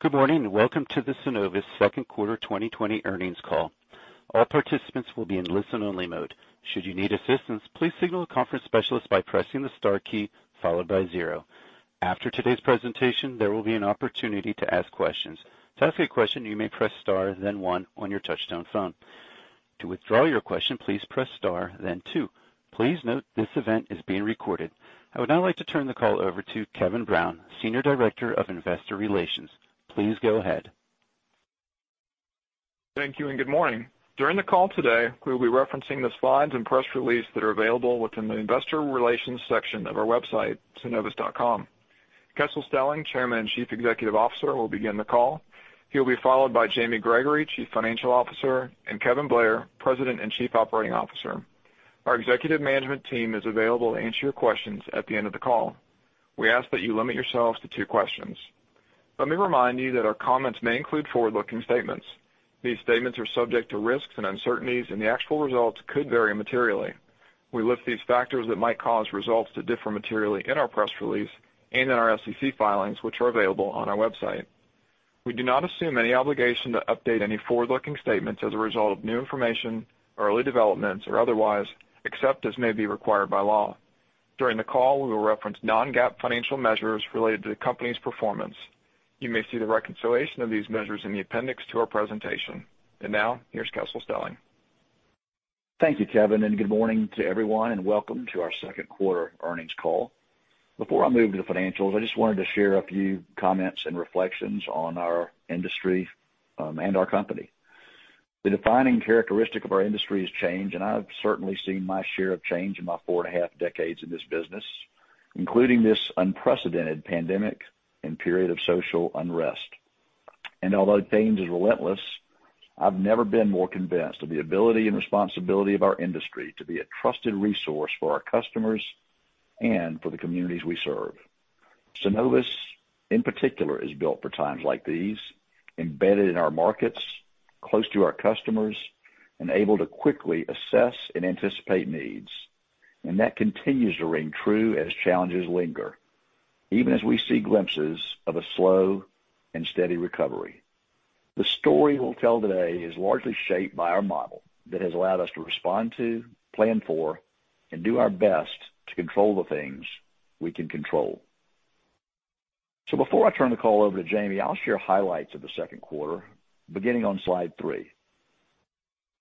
Good morning, and welcome to the Synovus second quarter 2020 earnings call. All participants will be in listen-only mode. Should you need assistance, please signal the conference specialist by pressing the star key followed by zero. After today's presentation, there will be an opportunity to ask questions. To ask a question, you may press star then one on your touchtone phone. To withdraw your question, please press star then two. Please note this event is being recorded. I would now like to turn the call over to Kevin Brown, Senior Director of Investor Relations. Please go ahead. Thank you, and good morning. During the call today, we'll be referencing the slides and press release that are available within the investor relations section of our website, synovus.com. Kessel Stelling, Chairman and Chief Executive Officer, will begin the call. He'll be followed by Jamie Gregory, Chief Financial Officer, and Kevin Blair, President and Chief Operating Officer. Our executive management team is available to answer your questions at the end of the call. We ask that you limit yourselves to two questions. Let me remind you that our comments may include forward-looking statements. These statements are subject to risks and uncertainties, and the actual results could vary materially. We list these factors that might cause results to differ materially in our press release and in our SEC filings, which are available on our website. We do not assume any obligation to update any forward-looking statements as a result of new information, early developments, or otherwise, except as may be required by law. During the call, we will reference non-GAAP financial measures related to the company's performance. You may see the reconciliation of these measures in the appendix to our presentation. Now, here's Kessel Stelling. Thank you, Kevin. Good morning to everyone, and welcome to our second quarter earnings call. Before I move to the financials, I just wanted to share a few comments and reflections on our industry, and our company. The defining characteristic of our industry is change, and I've certainly seen my share of change in my four and a half decades in this business, including this unprecedented pandemic and period of social unrest. Although change is relentless, I've never been more convinced of the ability and responsibility of our industry to be a trusted resource for our customers and for the communities we serve. Synovus, in particular, is built for times like these, embedded in our markets, close to our customers, and able to quickly assess and anticipate needs. That continues to ring true as challenges linger, even as we see glimpses of a slow and steady recovery. The story we'll tell today is largely shaped by our model that has allowed us to respond to, plan for, and do our best to control the things we can control. Before I turn the call over to Jamie, I'll share highlights of the second quarter, beginning on slide three.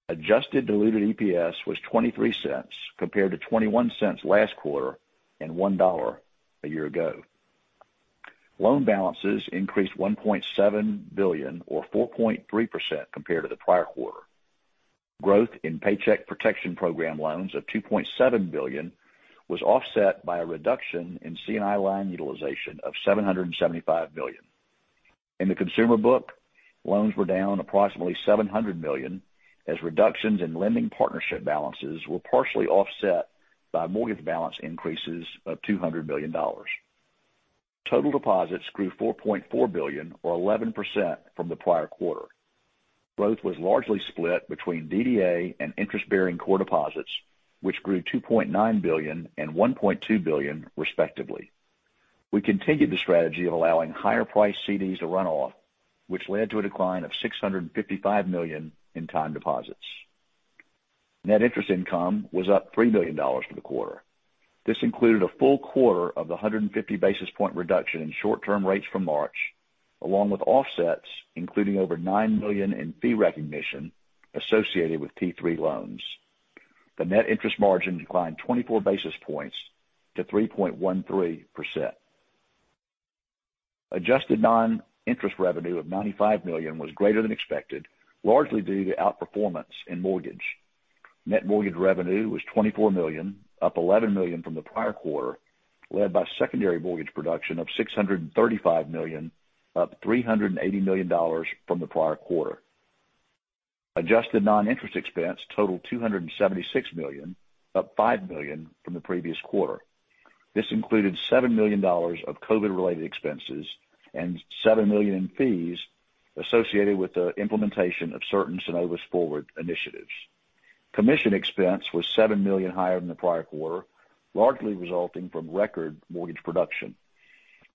Adjusted diluted EPS was $0.23 compared to $0.21 last quarter and $1 a year ago. Loan balances increased $1.7 billion or 4.3% compared to the prior quarter. Growth in Paycheck Protection Program loans of $2.7 billion was offset by a reduction in C&I line utilization of $775 million. In the consumer book, loans were down approximately $700 million as reductions in lending partnership balances were partially offset by mortgage balance increases of $200 million. Total deposits grew $4.4 billion or 11% from the prior quarter. Growth was largely split between DDA and interest-bearing core deposits, which grew $2.9 billion and $1.2 billion, respectively. We continued the strategy of allowing higher-priced CDs to run off, which led to a decline of $655 million in time deposits. Net interest income was up $3 million for the quarter. This included a full quarter of the 150 basis point reduction in short-term rates from March, along with offsets, including over $9 million in fee recognition associated with PPP loans. The net interest margin declined 24 basis points to 3.13%. Adjusted non-interest revenue of $95 million was greater than expected, largely due to outperformance in mortgage. Net mortgage revenue was $24 million, up $11 million from the prior quarter, led by secondary mortgage production of $635 million, up $380 million from the prior quarter. Adjusted non-interest expense totaled $276 million, up $5 million from the previous quarter. This included $7 million of COVID-related expenses and $7 million in fees associated with the implementation of certain Synovus Forward initiatives. Commission expense was $7 million higher than the prior quarter, largely resulting from record mortgage production.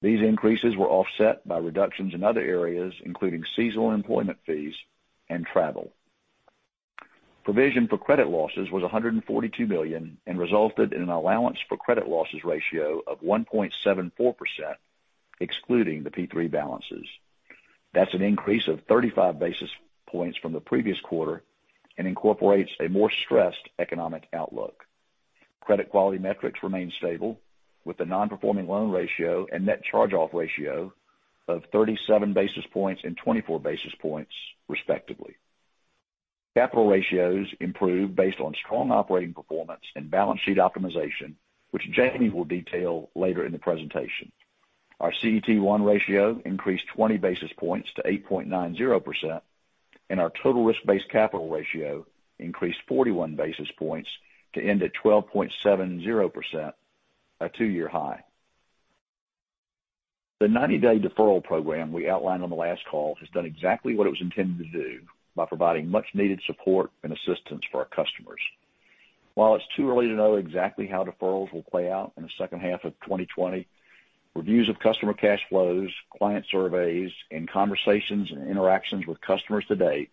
These increases were offset by reductions in other areas, including seasonal employment fees and travel. Provision for credit losses was $142 million and resulted in an allowance for credit losses ratio of 1.74%, excluding the PPP balances. That's an increase of 35 basis points from the previous quarter and incorporates a more stressed economic outlook. Credit quality metrics remain stable, with the non-performing loan ratio and net charge-off ratio of 37 basis points and 24 basis points, respectively. Capital ratios improved based on strong operating performance and balance sheet optimization, which Jamie will detail later in the presentation. Our CET1 ratio increased 20 basis points to 8.90%, and our total risk-based capital ratio increased 41 basis points to end at 12.70%, a two-year high. The 90-day deferral program we outlined on the last call has done exactly what it was intended to do by providing much needed support and assistance for our customers. While it's too early to know exactly how deferrals will play out in the second half of 2020, reviews of customer cash flows, client surveys, and conversations and interactions with customers to date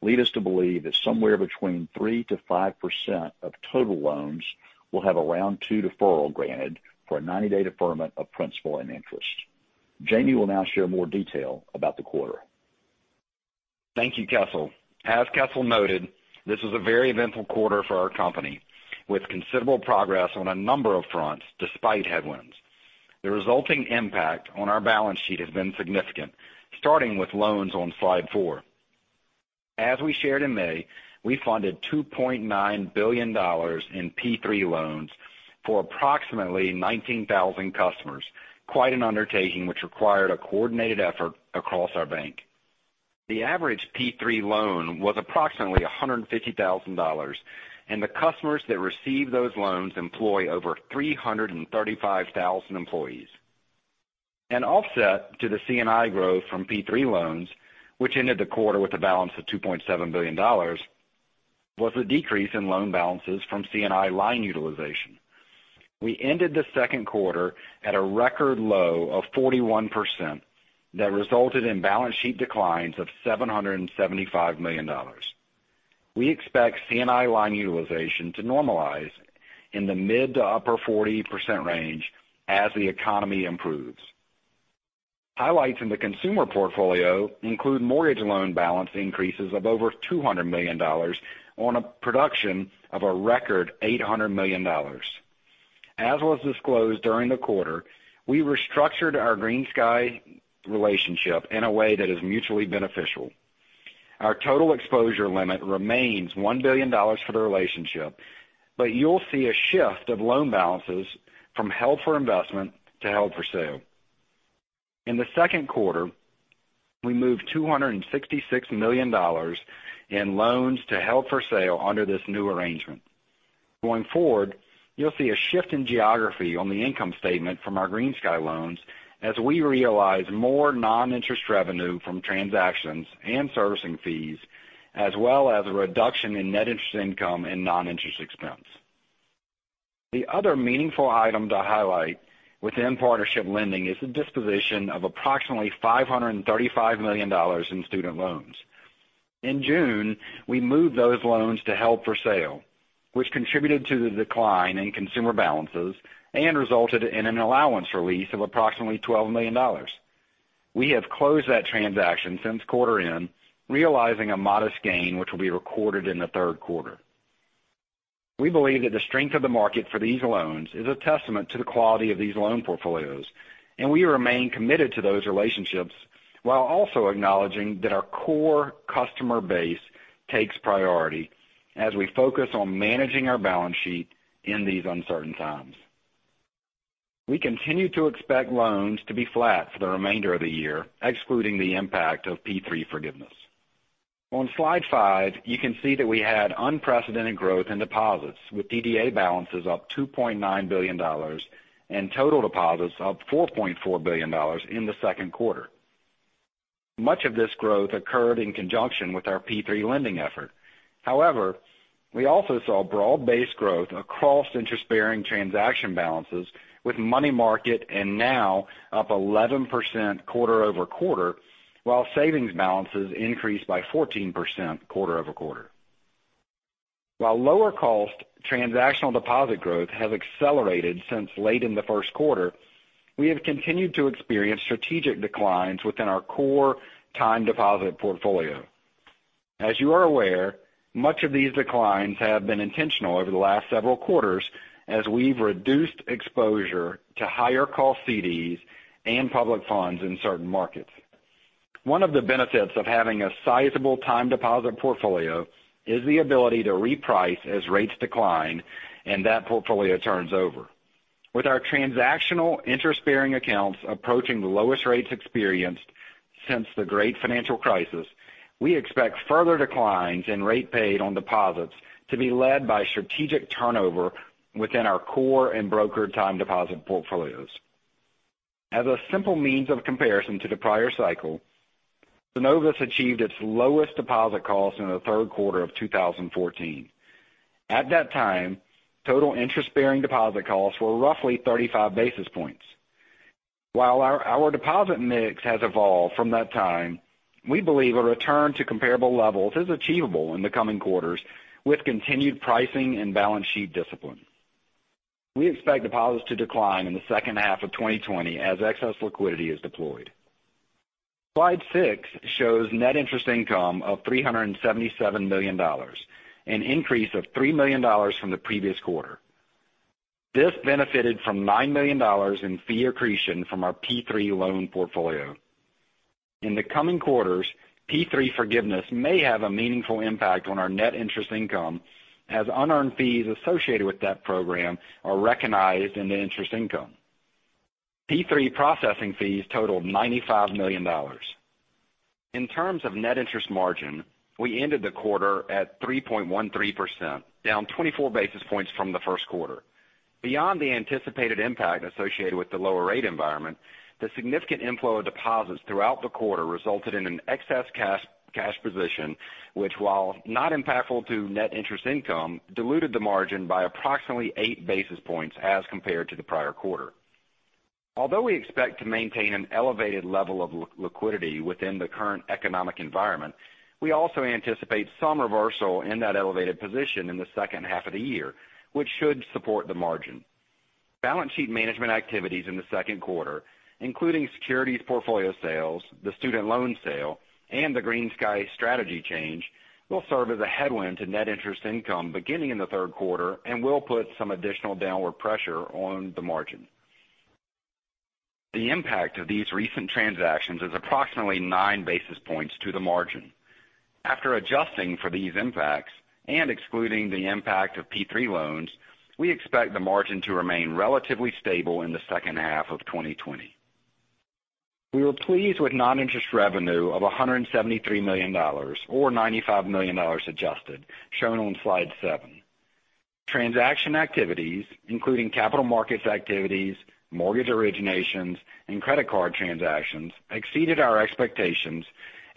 lead us to believe that somewhere between 3%-5% of total loans will have a Round 2 deferral granted for a 90-day deferment of principal and interest. Jamie will now share more detail about the quarter. Thank you, Kessel. As Kessel noted, this was a very eventful quarter for our company, with considerable progress on a number of fronts despite headwinds. The resulting impact on our balance sheet has been significant, starting with loans on slide four. As we shared in May, we funded $2.9 billion in PPP loans for approximately 19,000 customers. Quite an undertaking, which required a coordinated effort across our bank. The average PPP loan was approximately $150,000, the customers that received those loans employ over 335,000 employees. An offset to the C&I growth from PPP loans, which ended the quarter with a balance of $2.7 billion, was a decrease in loan balances from C&I line utilization. We ended the second quarter at a record low of 41% that resulted in balance sheet declines of $775 million. We expect C&I line utilization to normalize in the mid to upper 40% range as the economy improves. Highlights in the consumer portfolio include mortgage loan balance increases of over $200 million on a production of a record $800 million. As was disclosed during the quarter, we restructured our GreenSky relationship in a way that is mutually beneficial. Our total exposure limit remains $1 billion for the relationship, but you'll see a shift of loan balances from held for investment to held for sale. In the second quarter, we moved $266 million in loans to held for sale under this new arrangement. Going forward, you'll see a shift in geography on the income statement from our GreenSky loans as we realize more non-interest revenue from transactions and servicing fees, as well as a reduction in net interest income and non-interest expense. The other meaningful item to highlight within partnership lending is the disposition of approximately $535 million in student loans. In June, we moved those loans to held for sale, which contributed to the decline in consumer balances and resulted in an allowance release of approximately $12 million. We have closed that transaction since quarter end, realizing a modest gain, which will be recorded in the third quarter. We believe that the strength of the market for these loans is a testament to the quality of these loan portfolios, and we remain committed to those relationships, while also acknowledging that our core customer base takes priority as we focus on managing our balance sheet in these uncertain times. We continue to expect loans to be flat for the remainder of the year, excluding the impact of PPP forgiveness. On slide five, you can see that we had unprecedented growth in deposits, with DDA balances up $2.9 billion and total deposits up $4.4 billion in the second quarter. Much of this growth occurred in conjunction with our PPP lending effort. We also saw broad-based growth across interest-bearing transaction balances with money market and NOW up 11% quarter-over-quarter, while savings balances increased by 14% quarter-over-quarter. While lower cost transactional deposit growth has accelerated since late in the first quarter, we have continued to experience strategic declines within our core time deposit portfolio. As you are aware, much of these declines have been intentional over the last several quarters as we've reduced exposure to higher cost CDs and public funds in certain markets. One of the benefits of having a sizable time deposit portfolio is the ability to reprice as rates decline and that portfolio turns over. With our transactional interest-bearing accounts approaching the lowest rates experienced since the great financial crisis, we expect further declines in rate paid on deposits to be led by strategic turnover within our core and brokered time deposit portfolios. As a simple means of comparison to the prior cycle, Synovus achieved its lowest deposit cost in the third quarter of 2014. At that time, total interest-bearing deposit costs were roughly 35 basis points. While our deposit mix has evolved from that time, we believe a return to comparable levels is achievable in the coming quarters with continued pricing and balance sheet discipline. We expect deposits to decline in the second half of 2020 as excess liquidity is deployed. Slide six shows net interest income of $377 million, an increase of $3 million from the previous quarter. This benefited from $9 million in fee accretion from our PPP loan portfolio. In the coming quarters, PPP forgiveness may have a meaningful impact on our net interest income as unearned fees associated with that program are recognized in the interest income. PPP processing fees totaled $95 million. In terms of net interest margin, we ended the quarter at 3.13%, down 24 basis points from the first quarter. Beyond the anticipated impact associated with the lower rate environment, the significant inflow of deposits throughout the quarter resulted in an excess cash position, which while not impactful to net interest income, diluted the margin by approximately eight basis points as compared to the prior quarter. Although we expect to maintain an elevated level of liquidity within the current economic environment, we also anticipate some reversal in that elevated position in the second half of the year, which should support the margin. Balance sheet management activities in the second quarter, including securities portfolio sales, the student loan sale, and the GreenSky strategy change, will serve as a headwind to net interest income beginning in the third quarter and will put some additional downward pressure on the margin. The impact of these recent transactions is approximately nine basis points to the margin. After adjusting for these impacts and excluding the impact of PPP loans, we expect the margin to remain relatively stable in the second half of 2020. We were pleased with non-interest revenue of $173 million, or $95 million adjusted, shown on slide seven. Transaction activities, including capital markets activities, mortgage originations, and credit card transactions, exceeded our expectations,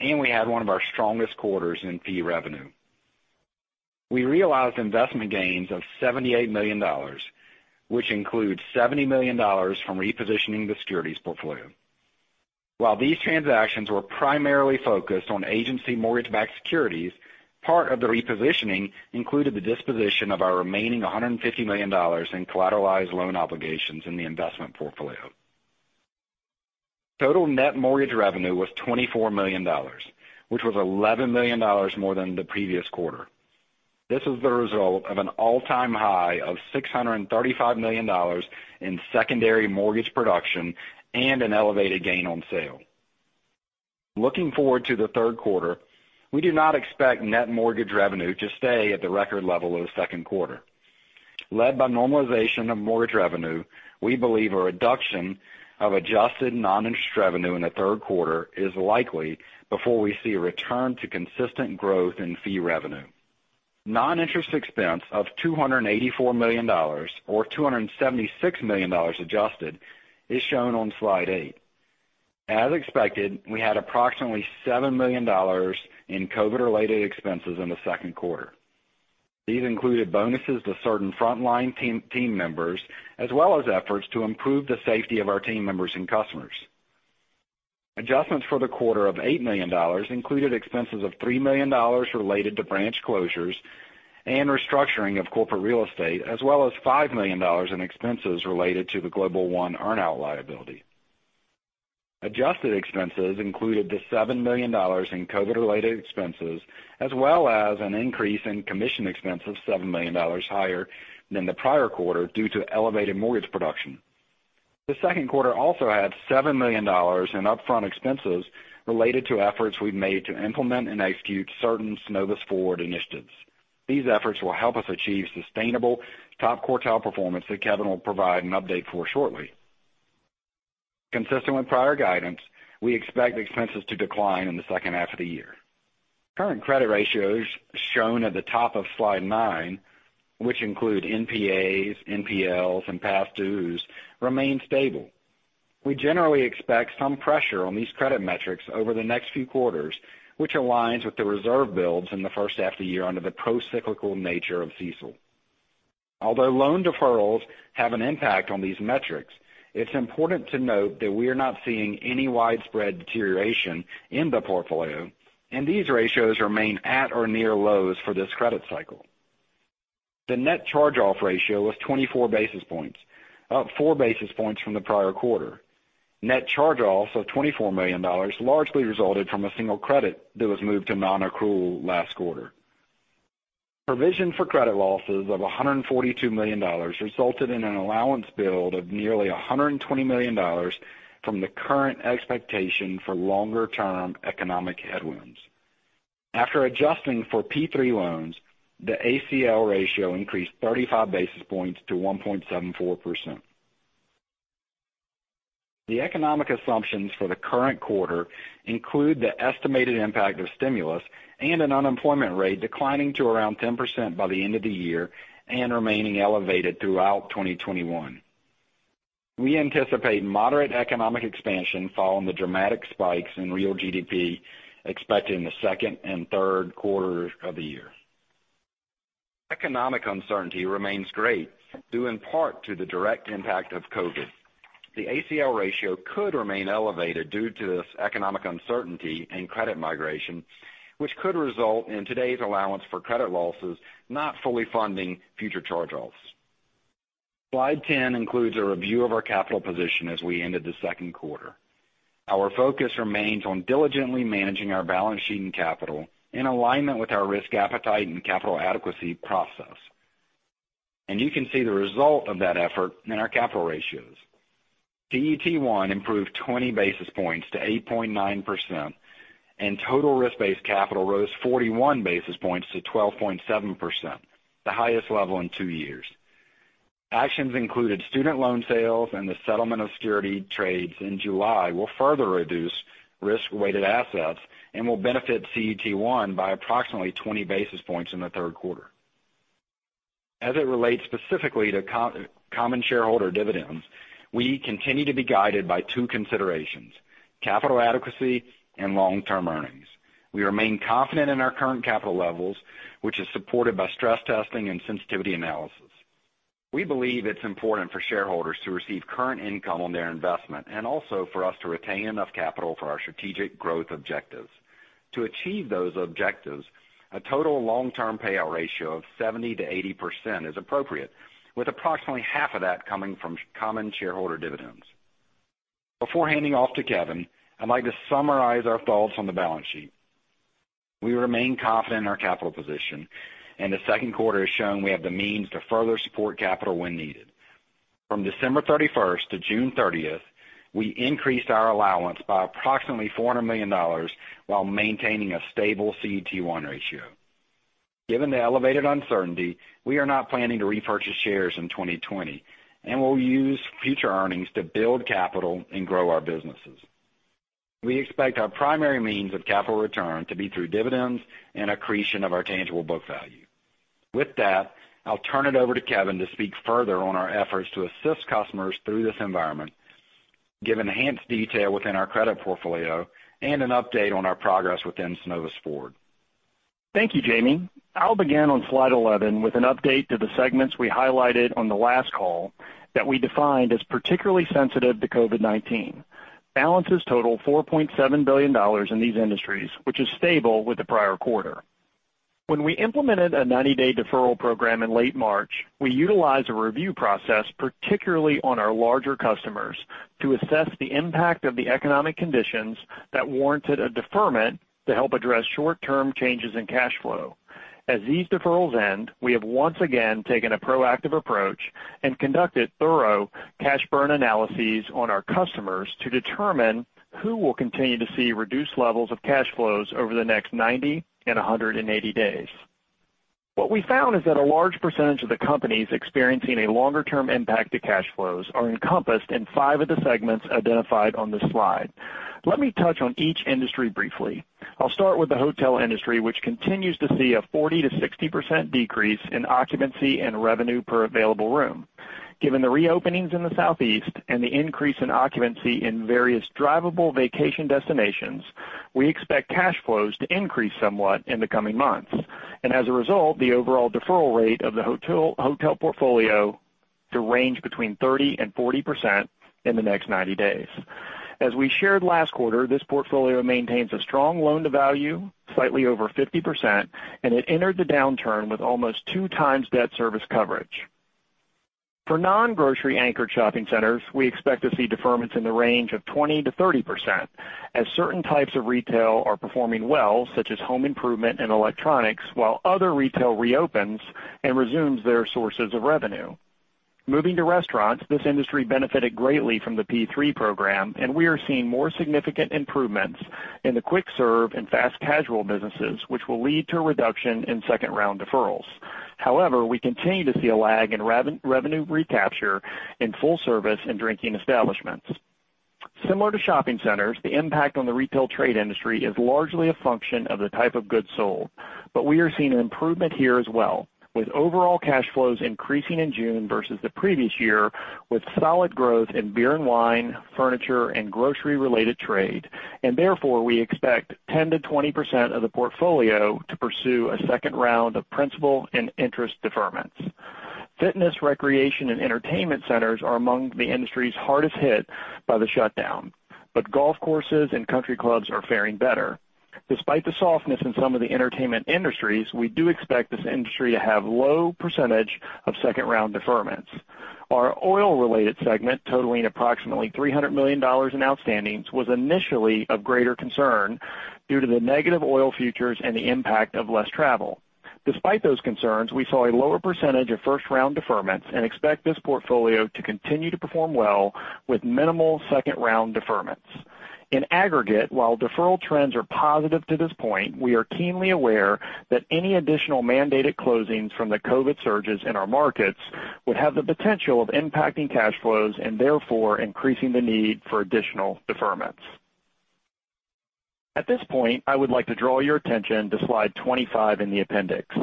and we had one of our strongest quarters in fee revenue. We realized investment gains of $78 million, which includes $70 million from repositioning the securities portfolio. While these transactions were primarily focused on agency mortgage-backed securities, part of the repositioning included the disposition of our remaining $150 million in collateralized loan obligations in the investment portfolio. Total net mortgage revenue was $24 million, which was $11 million more than the previous quarter. This is the result of an all-time high of $635 million in secondary mortgage production and an elevated gain on sale. Looking forward to the third quarter, we do not expect net mortgage revenue to stay at the record level of the second quarter. Led by normalization of mortgage revenue, we believe a reduction of adjusted non-interest revenue in the third quarter is likely before we see a return to consistent growth in fee revenue. Non-interest expense of $284 million, or $276 million adjusted, is shown on slide eight. As expected, we had approximately $7 million in COVID-related expenses in the second quarter. These included bonuses to certain frontline team members, as well as efforts to improve the safety of our team members and customers. Adjustments for the quarter of $8 million included expenses of $3 million related to branch closures and restructuring of corporate real estate, as well as $5 million in expenses related to the Global One earn-out liability. Adjusted expenses included the $7 million in COVID-related expenses, as well as an increase in commission expense of $7 million higher than the prior quarter, due to elevated mortgage production. The second quarter also had $7 million in upfront expenses related to efforts we've made to implement and execute certain Synovus Forward initiatives. These efforts will help us achieve sustainable top-quartile performance that Kevin will provide an update for shortly. Consistent with prior guidance, we expect expenses to decline in the second half of the year. Current credit ratios, shown at the top of slide nine, which include NPAs, NPLs, and past dues, remain stable. We generally expect some pressure on these credit metrics over the next few quarters, which aligns with the reserve builds in the first half of the year under the pro-cyclical nature of CECL. Although loan deferrals have an impact on these metrics, it's important to note that we are not seeing any widespread deterioration in the portfolio, and these ratios remain at or near lows for this credit cycle. The net charge-off ratio was 24 basis points, up four basis points from the prior quarter. Net charge-offs of $24 million largely resulted from a single credit that was moved to non-accrual last quarter. Provision for credit losses of $142 million resulted in an allowance build of nearly $120 million from the current expectation for longer-term economic headwinds. After adjusting for PPP loans, the ACL ratio increased 35 basis points to 1.74%. The economic assumptions for the current quarter include the estimated impact of stimulus and an unemployment rate declining to around 10% by the end of the year and remaining elevated throughout 2021. We anticipate moderate economic expansion following the dramatic spikes in real GDP expected in the second and third quarters of the year. Economic uncertainty remains great, due in part to the direct impact of COVID. The ACL ratio could remain elevated due to this economic uncertainty and credit migration, which could result in today's allowance for credit losses not fully funding future charge-offs. Slide 10 includes a review of our capital position as we ended the second quarter. Our focus remains on diligently managing our balance sheet and capital in alignment with our risk appetite and capital adequacy process. You can see the result of that effort in our capital ratios. CET1 improved 20 basis points to 8.9%, and total risk-based capital rose 41 basis points to 12.7%, the highest level in two years. Actions included student loan sales and the settlement of security trades in July will further reduce risk-weighted assets and will benefit CET1 by approximately 20 basis points in the third quarter. As it relates specifically to common shareholder dividends, we continue to be guided by two considerations, capital adequacy and long-term earnings. We remain confident in our current capital levels, which is supported by stress testing and sensitivity analysis. We believe it's important for shareholders to receive current income on their investment and also for us to retain enough capital for our strategic growth objectives. To achieve those objectives, a total long-term payout ratio of 70%-80% is appropriate, with approximately half of that coming from common shareholder dividends. Before handing off to Kevin, I'd like to summarize our thoughts on the balance sheet. We remain confident in our capital position, and the second quarter has shown we have the means to further support capital when needed. From December 31st to June 30th, we increased our allowance by approximately $400 million while maintaining a stable CET1 ratio. Given the elevated uncertainty, we are not planning to repurchase shares in 2020, and we'll use future earnings to build capital and grow our businesses. We expect our primary means of capital return to be through dividends and accretion of our tangible book value. With that, I'll turn it over to Kevin to speak further on our efforts to assist customers through this environment, give enhanced detail within our credit portfolio, and an update on our progress within Synovus Forward. Thank you, Jamie. I'll begin on slide 11 with an update to the segments we highlighted on the last call that we defined as particularly sensitive to COVID-19. Balances total $4.7 billion in these industries, which is stable with the prior quarter. When we implemented a 90-day deferral program in late March, we utilized a review process, particularly on our larger customers, to assess the impact of the economic conditions that warranted a deferment to help address short-term changes in cash flow. As these deferrals end, we have once again taken a proactive approach and conducted thorough cash burn analyses on our customers to determine who will continue to see reduced levels of cash flows over the next 90 and 180 days. What we found is that a large percentage of the companies experiencing a longer-term impact to cash flows are encompassed in five of the segments identified on this slide. Let me touch on each industry briefly. I'll start with the hotel industry, which continues to see a 40%-60% decrease in occupancy and revenue per available room. Given the reopenings in the Southeast and the increase in occupancy in various drivable vacation destinations, we expect cash flows to increase somewhat in the coming months. As a result, the overall deferral rate of the hotel portfolio to range between 30% and 40% in the next 90 days. As we shared last quarter, this portfolio maintains a strong loan-to-value, slightly over 50%, and it entered the downturn with almost two times debt service coverage. For non-grocery anchored shopping centers, we expect to see deferments in the range of 20%-30% as certain types of retail are performing well, such as home improvement and electronics, while other retail reopens and resumes their sources of revenue. Moving to restaurants, this industry benefited greatly from the PPP program, and we are seeing more significant improvements in the quick serve and fast casual businesses, which will lead to a reduction in second-round deferrals. However, we continue to see a lag in revenue recapture in full service and drinking establishments. Similar to shopping centers, the impact on the retail trade industry is largely a function of the type of goods sold. We are seeing an improvement here as well, with overall cash flows increasing in June versus the previous year, with solid growth in beer and wine, furniture, and grocery-related trade. Therefore, we expect 10%-20% of the portfolio to pursue a second-round of principal and interest deferments. Fitness, recreation, and entertainment centers are among the industries hardest hit by the shutdown, but golf courses and country clubs are faring better. Despite the softness in some of the entertainment industries, we do expect this industry to have low percentage of second-round deferments. Our oil-related segment, totaling approximately $300 million in outstandings, was initially of greater concern due to the negative oil futures and the impact of less travel. Despite those concerns, we saw a lower percentage of first-round deferments and expect this portfolio to continue to perform well with minimal second-round deferments. In aggregate, while deferral trends are positive to this point, we are keenly aware that any additional mandated closings from the COVID surges in our markets would have the potential of impacting cash flows and therefore increasing the need for additional deferments. At this point, I would like to draw your attention to slide 25 in the appendix.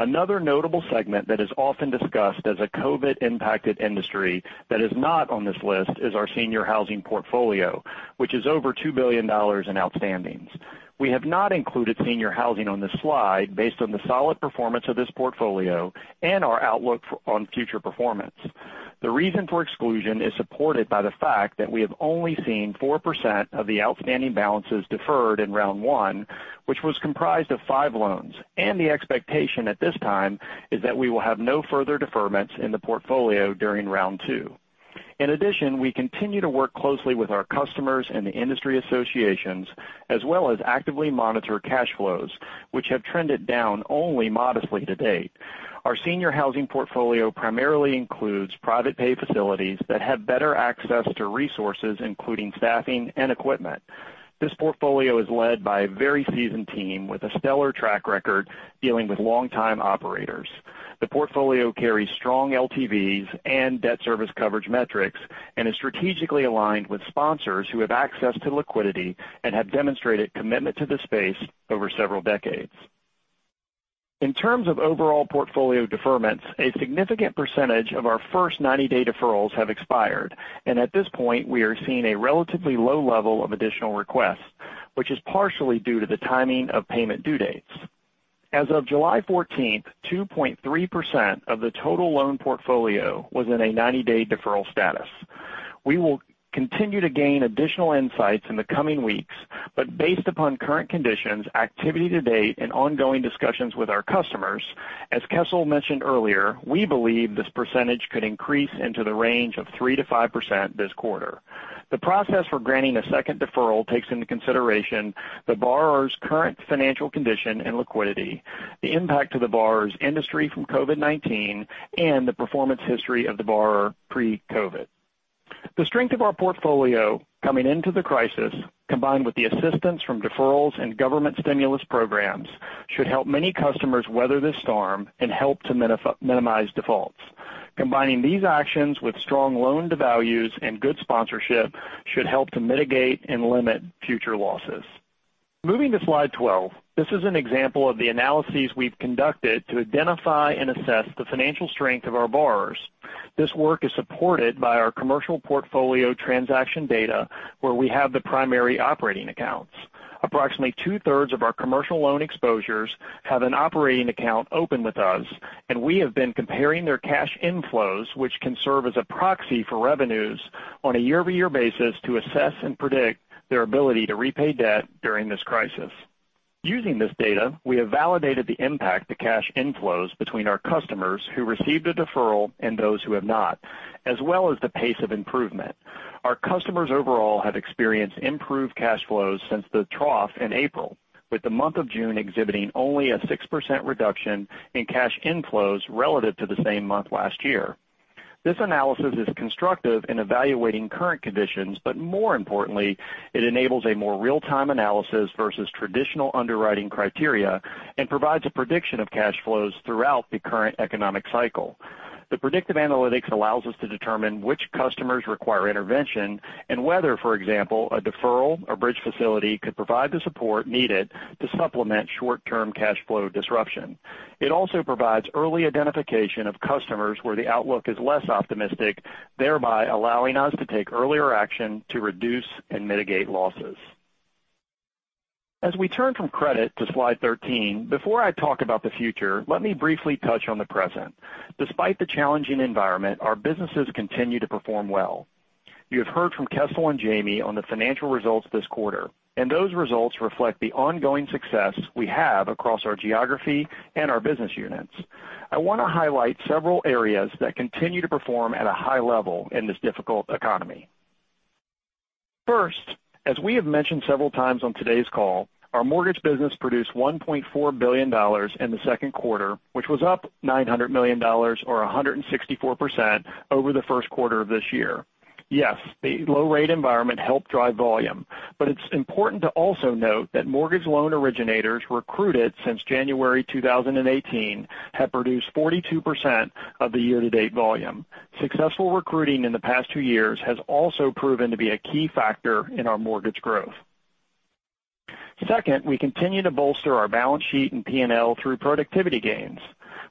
Another notable segment that is often discussed as a COVID-impacted industry that is not on this list is our senior housing portfolio, which is over $2 billion in outstandings. We have not included senior housing on this slide based on the solid performance of this portfolio and our outlook on future performance. The reason for exclusion is supported by the fact that we have only seen 4% of the outstanding balances deferred in round one, which was comprised of five loans. The expectation at this time is that we will have no further deferments in the portfolio during round two. In addition, we continue to work closely with our customers and the industry associations, as well as actively monitor cash flows, which have trended down only modestly to date. Our senior housing portfolio primarily includes private pay facilities that have better access to resources, including staffing and equipment. This portfolio is led by a very seasoned team with a stellar track record dealing with long-time operators. The portfolio carries strong LTVs and debt service coverage metrics and is strategically aligned with sponsors who have access to liquidity and have demonstrated commitment to the space over several decades. In terms of overall portfolio deferments, a significant percentage of our first 90-day deferrals have expired. At this point, we are seeing a relatively low level of additional requests, which is partially due to the timing of payment due dates. As of July 14th, 2.3% of the total loan portfolio was in a 90-day deferral status. We will continue to gain additional insights in the coming weeks, but based upon current conditions, activity to date, and ongoing discussions with our customers, as Kessel mentioned earlier, we believe this percentage could increase into the range of 3%-5% this quarter. The process for granting a second deferral takes into consideration the borrower's current financial condition and liquidity, the impact to the borrower's industry from COVID-19, and the performance history of the borrower pre-COVID. The strength of our portfolio coming into the crisis, combined with the assistance from deferrals and government stimulus programs, should help many customers weather this storm and help to minimize defaults. Combining these actions with strong loan-to-values and good sponsorship should help to mitigate and limit future losses. Moving to slide 12. This is an example of the analyses we've conducted to identify and assess the financial strength of our borrowers. This work is supported by our commercial portfolio transaction data, where we have the primary operating accounts. Approximately two-thirds of our commercial loan exposures have an operating account open with us, and we have been comparing their cash inflows, which can serve as a proxy for revenues on a year-over-year basis to assess and predict their ability to repay debt during this crisis. Using this data, we have validated the impact to cash inflows between our customers who received a deferral and those who have not, as well as the pace of improvement. Our customers overall have experienced improved cash flows since the trough in April, with the month of June exhibiting only a 6% reduction in cash inflows relative to the same month last year. This analysis is constructive in evaluating current conditions, but more importantly, it enables a more real-time analysis versus traditional underwriting criteria and provides a prediction of cash flows throughout the current economic cycle. The predictive analytics allows us to determine which customers require intervention and whether, for example, a deferral or bridge facility could provide the support needed to supplement short-term cash flow disruption. It also provides early identification of customers where the outlook is less optimistic, thereby allowing us to take earlier action to reduce and mitigate losses. As we turn from credit to slide 13, before I talk about the future, let me briefly touch on the present. Despite the challenging environment, our businesses continue to perform well. You have heard from Kessel and Jamie on the financial results this quarter, and those results reflect the ongoing success we have across our geography and our business units. I want to highlight several areas that continue to perform at a high level in this difficult economy. First, as we have mentioned several times on today's call, our mortgage business produced $1.4 billion in the second quarter, which was up $900 million, or 164%, over the first quarter of this year. Yes, the low rate environment helped drive volume, but it's important to also note that mortgage loan originators recruited since January 2018 have produced 42% of the year-to-date volume. Successful recruiting in the past two years has also proven to be a key factor in our mortgage growth. Second, we continue to bolster our balance sheet and P&L through productivity gains.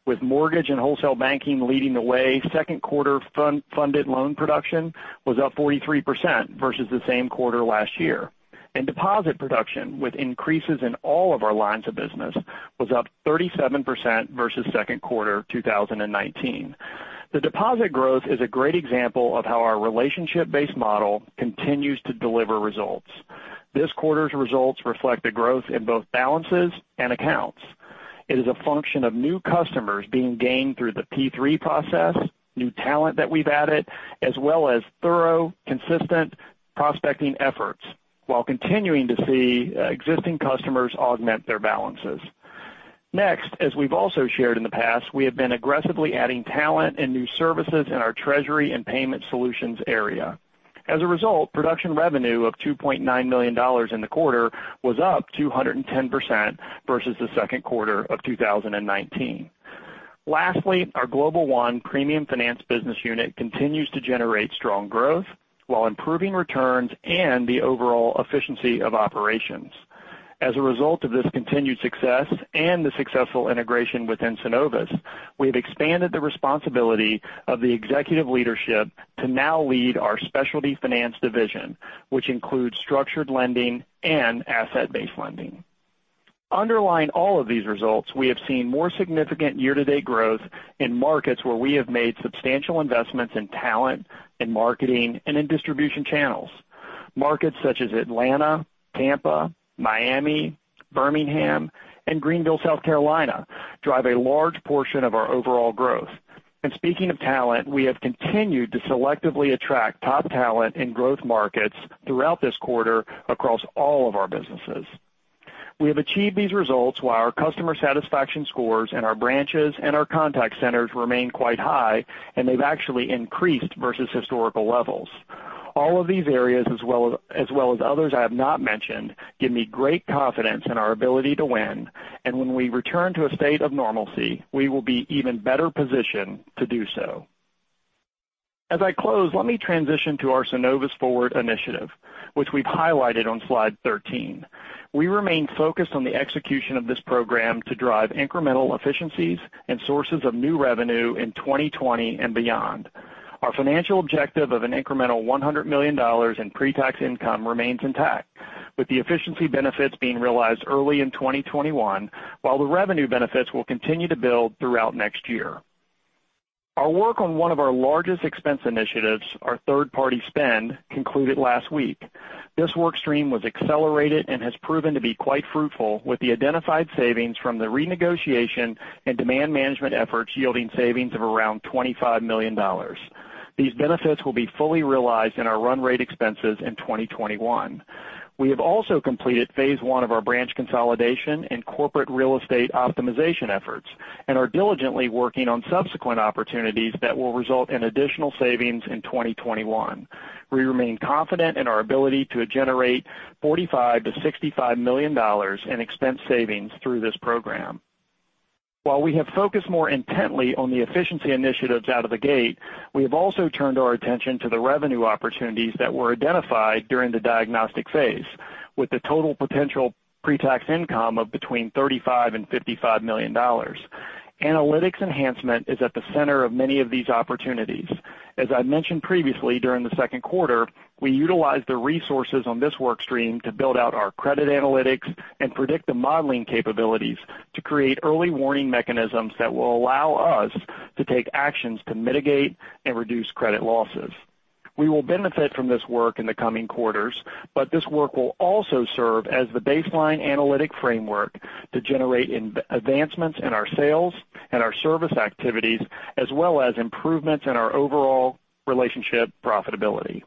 With mortgage and wholesale banking leading the way, second quarter funded loan production was up 43% versus the same quarter last year. Deposit production, with increases in all of our lines of business, was up 37% versus second quarter 2019. The deposit growth is a great example of how our relationship-based model continues to deliver results. This quarter's results reflect a growth in both balances and accounts. It is a function of new customers being gained through the PPP process, new talent that we've added, as well as thorough, consistent prospecting efforts while continuing to see existing customers augment their balances. As we've also shared in the past, we have been aggressively adding talent and new services in our treasury and payment solutions area. As a result, production revenue of $2.9 million in the quarter was up 210% versus the second quarter of 2019. Lastly, our Global One premium finance business unit continues to generate strong growth while improving returns and the overall efficiency of operations. As a result of this continued success and the successful integration within Synovus, we have expanded the responsibility of the executive leadership to now lead our Specialty Finance division, which includes structured lending and asset-based lending. Underlying all of these results, we have seen more significant year-to-date growth in markets where we have made substantial investments in talent, in marketing, and in distribution channels. Markets such as Atlanta, Tampa, Miami, Birmingham, and Greenville, South Carolina, drive a large portion of our overall growth. Speaking of talent, we have continued to selectively attract top talent in growth markets throughout this quarter across all of our businesses. We have achieved these results while our customer satisfaction scores in our branches and our contact centers remain quite high, and they've actually increased versus historical levels. All of these areas, as well as others I have not mentioned, give me great confidence in our ability to win, and when we return to a state of normalcy, we will be even better positioned to do so. As I close, let me transition to our Synovus Forward initiative, which we've highlighted on slide 13. We remain focused on the execution of this program to drive incremental efficiencies and sources of new revenue in 2020 and beyond. Our financial objective of an incremental $100 million in pre-tax income remains intact, with the efficiency benefits being realized early in 2021, while the revenue benefits will continue to build throughout next year. Our work on one of our largest expense initiatives, our third-party spend, concluded last week. This work stream was accelerated and has proven to be quite fruitful, with the identified savings from the renegotiation and demand management efforts yielding savings of around $25 million. These benefits will be fully realized in our run rate expenses in 2021. We have also completed phase 1 of our branch consolidation and corporate real estate optimization efforts and are diligently working on subsequent opportunities that will result in additional savings in 2021. We remain confident in our ability to generate $45 million-$65 million in expense savings through this program. While we have focused more intently on the efficiency initiatives out of the gate, we have also turned our attention to the revenue opportunities that were identified during the diagnostic phase, with the total potential pre-tax income of between $35 million and $55 million. Analytics enhancement is at the center of many of these opportunities. As I mentioned previously, during the second quarter, we utilized the resources on this work stream to build out our credit analytics and predictive modeling capabilities to create early warning mechanisms that will allow us to take actions to mitigate and reduce credit losses. We will benefit from this work in the coming quarters, but this work will also serve as the baseline analytic framework to generate advancements in our sales and our service activities, as well as improvements in our overall relationship profitability.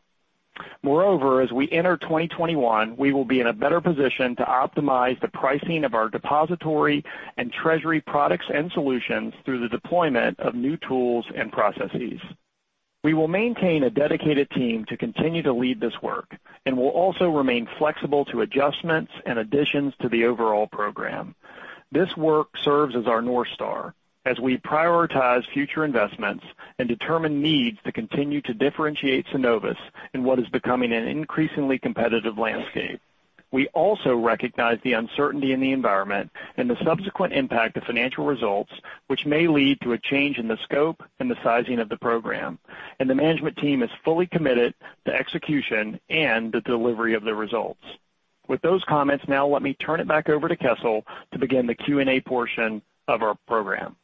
Moreover, as we enter 2021, we will be in a better position to optimize the pricing of our depository and treasury products and solutions through the deployment of new tools and processes. We will maintain a dedicated team to continue to lead this work and will also remain flexible to adjustments and additions to the overall program. This work serves as our North Star as we prioritize future investments and determine needs to continue to differentiate Synovus in what is becoming an increasingly competitive landscape. We also recognize the uncertainty in the environment and the subsequent impact of financial results, which may lead to a change in the scope and the sizing of the program, and the management team is fully committed to execution and the delivery of the results. With those comments, now let me turn it back over to Kessel to begin the Q&A portion of our program.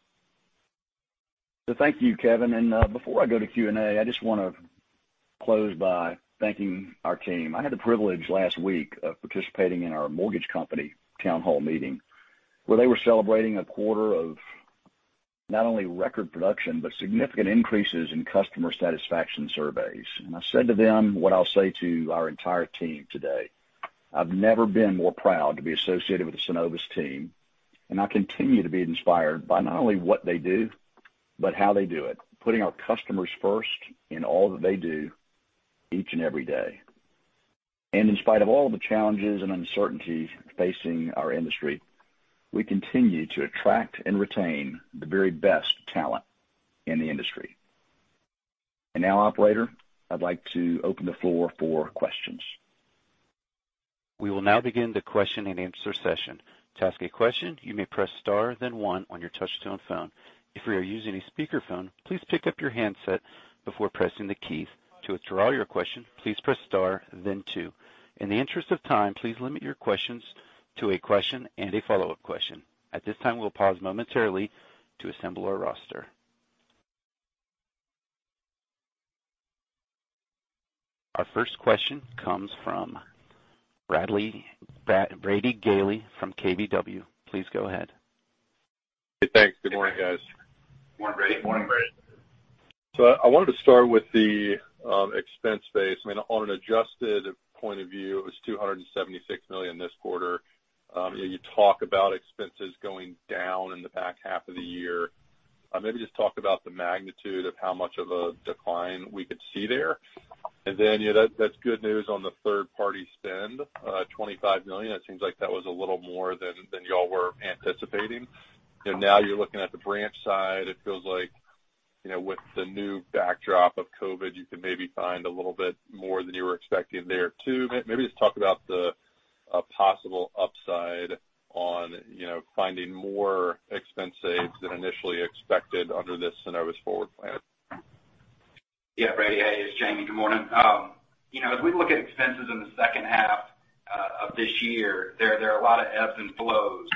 Thank you, Kevin. Before I go to Q&A, I just want to close by thanking our team. I had the privilege last week of participating in our mortgage company town hall meeting, where they were celebrating a quarter of not only record production, but significant increases in customer satisfaction surveys. I said to them what I'll say to our entire team today, "I've never been more proud to be associated with the Synovus team, and I continue to be inspired by not only what they do, but how they do it, putting our customers first in all that they do each and every day." In spite of all the challenges and uncertainty facing our industry, we continue to attract and retain the very best talent in the industry. Now, operator, I'd like to open the floor for questions. We will now begin the question and answer session. To ask a question, you may press star then one on your touch-tone phone. If you are using a speakerphone, please pick up your handset before pressing the keys. To withdraw your question, please press star then two. In the interest of time, please limit your questions to a question and a follow-up question. At this time, we'll pause momentarily to assemble our roster. Our first question comes from Brady Gailey from KBW. Please go ahead. Hey, thanks. Good morning, guys. Morning, Brady. Morning, Brady. I wanted to start with the expense base. On an adjusted point of view, it was $276 million this quarter. You talk about expenses going down in the back half of the year. Maybe just talk about the magnitude of how much of a decline we could see there. That's good news on the third-party spend, $25 million. It seems like that was a little more than y'all were anticipating. Now you're looking at the branch side. It feels like with the new backdrop of COVID, you can maybe find a little bit more than you were expecting there, too. Maybe just talk about the possible upside on finding more expense saves than initially expected under this Synovus Forward plan. Yeah, Brady. Hey, it's Jamie. Good morning. As we look at expenses in the second half of this year, there are a lot of ebbs and flows.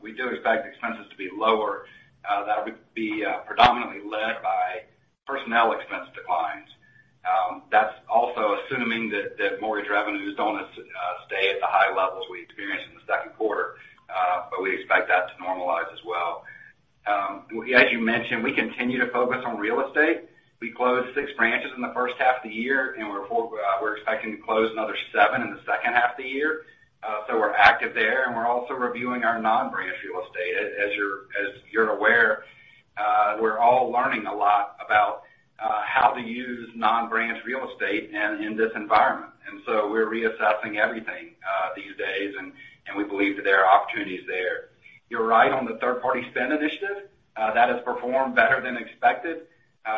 We do expect expenses to be lower. That would be predominantly led by personnel expense declines. That's also assuming that mortgage revenues don't stay at the high levels we experienced in the second quarter, but we expect that to normalize as well. As you mentioned, we continue to focus on real estate. We closed six branches in the first half of the year, and we're expecting to close another seven in the second half of the year. We're active there, and we're also reviewing our non-branch real estate. As you're aware, we're all learning a lot about how to use non-branch real estate in this environment. We're reassessing everything these days, and we believe that there are opportunities there. You're right on the third-party spend initiative. That has performed better than expected.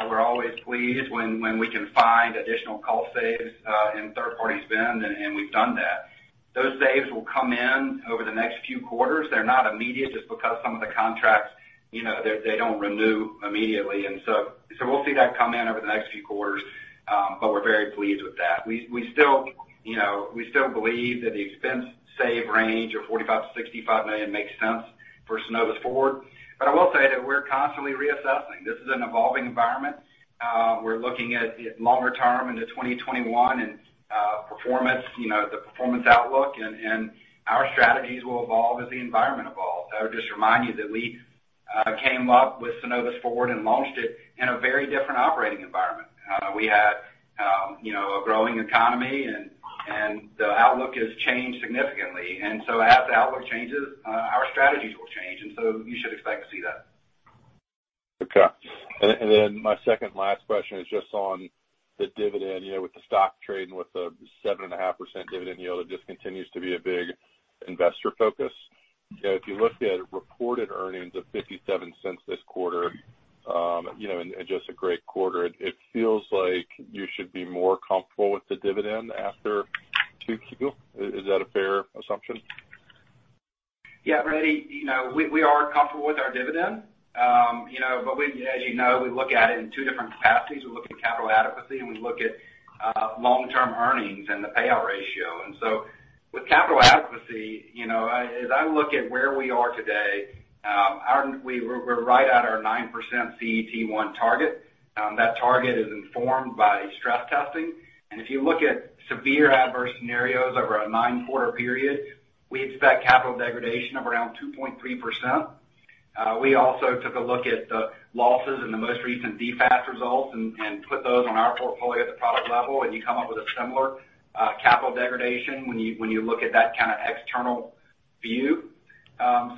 We're always pleased when we can find additional cost saves in third-party spend, and we've done that. Those saves will come in over the next few quarters. They're not immediate just because some of the contracts, they don't renew immediately. We'll see that come in over the next few quarters. We're very pleased with that. We still believe that the expense save range of $45 million-$65 million makes sense for Synovus Forward. I will say that we're constantly reassessing. This is an evolving environment. We're looking at longer term into 2021 and the performance outlook, our strategies will evolve as the environment evolves. I would just remind you that we came up with Synovus Forward and launched it in a very different operating environment. We had a growing economy, the outlook has changed significantly. As the outlook changes, our strategies will change, and so you should expect to see that. Okay. My second-last question is just on the dividend. With the stock trading with the 7.5% dividend yield, it just continues to be a big investor focus. If you looked at reported earnings of $0.57 this quarter, and just a great quarter, it feels like you should be more comfortable with the dividend after 2Q. Is that a fair assumption? Brady, we are comfortable with our dividend. As you know, we look at it in two different capacities. We look at capital adequacy, and we look at long-term earnings and the payout ratio. With capital adequacy, as I look at where we are today, we're right at our 9% CET1 target. That target is informed by stress testing. If you look at severe adverse scenarios over a nine-quarter period, we expect capital degradation of around 2.3%. We also took a look at the losses in the most recent DFAST results and put those on our portfolio at the product level, and you come up with a similar capital degradation when you look at that kind of external view.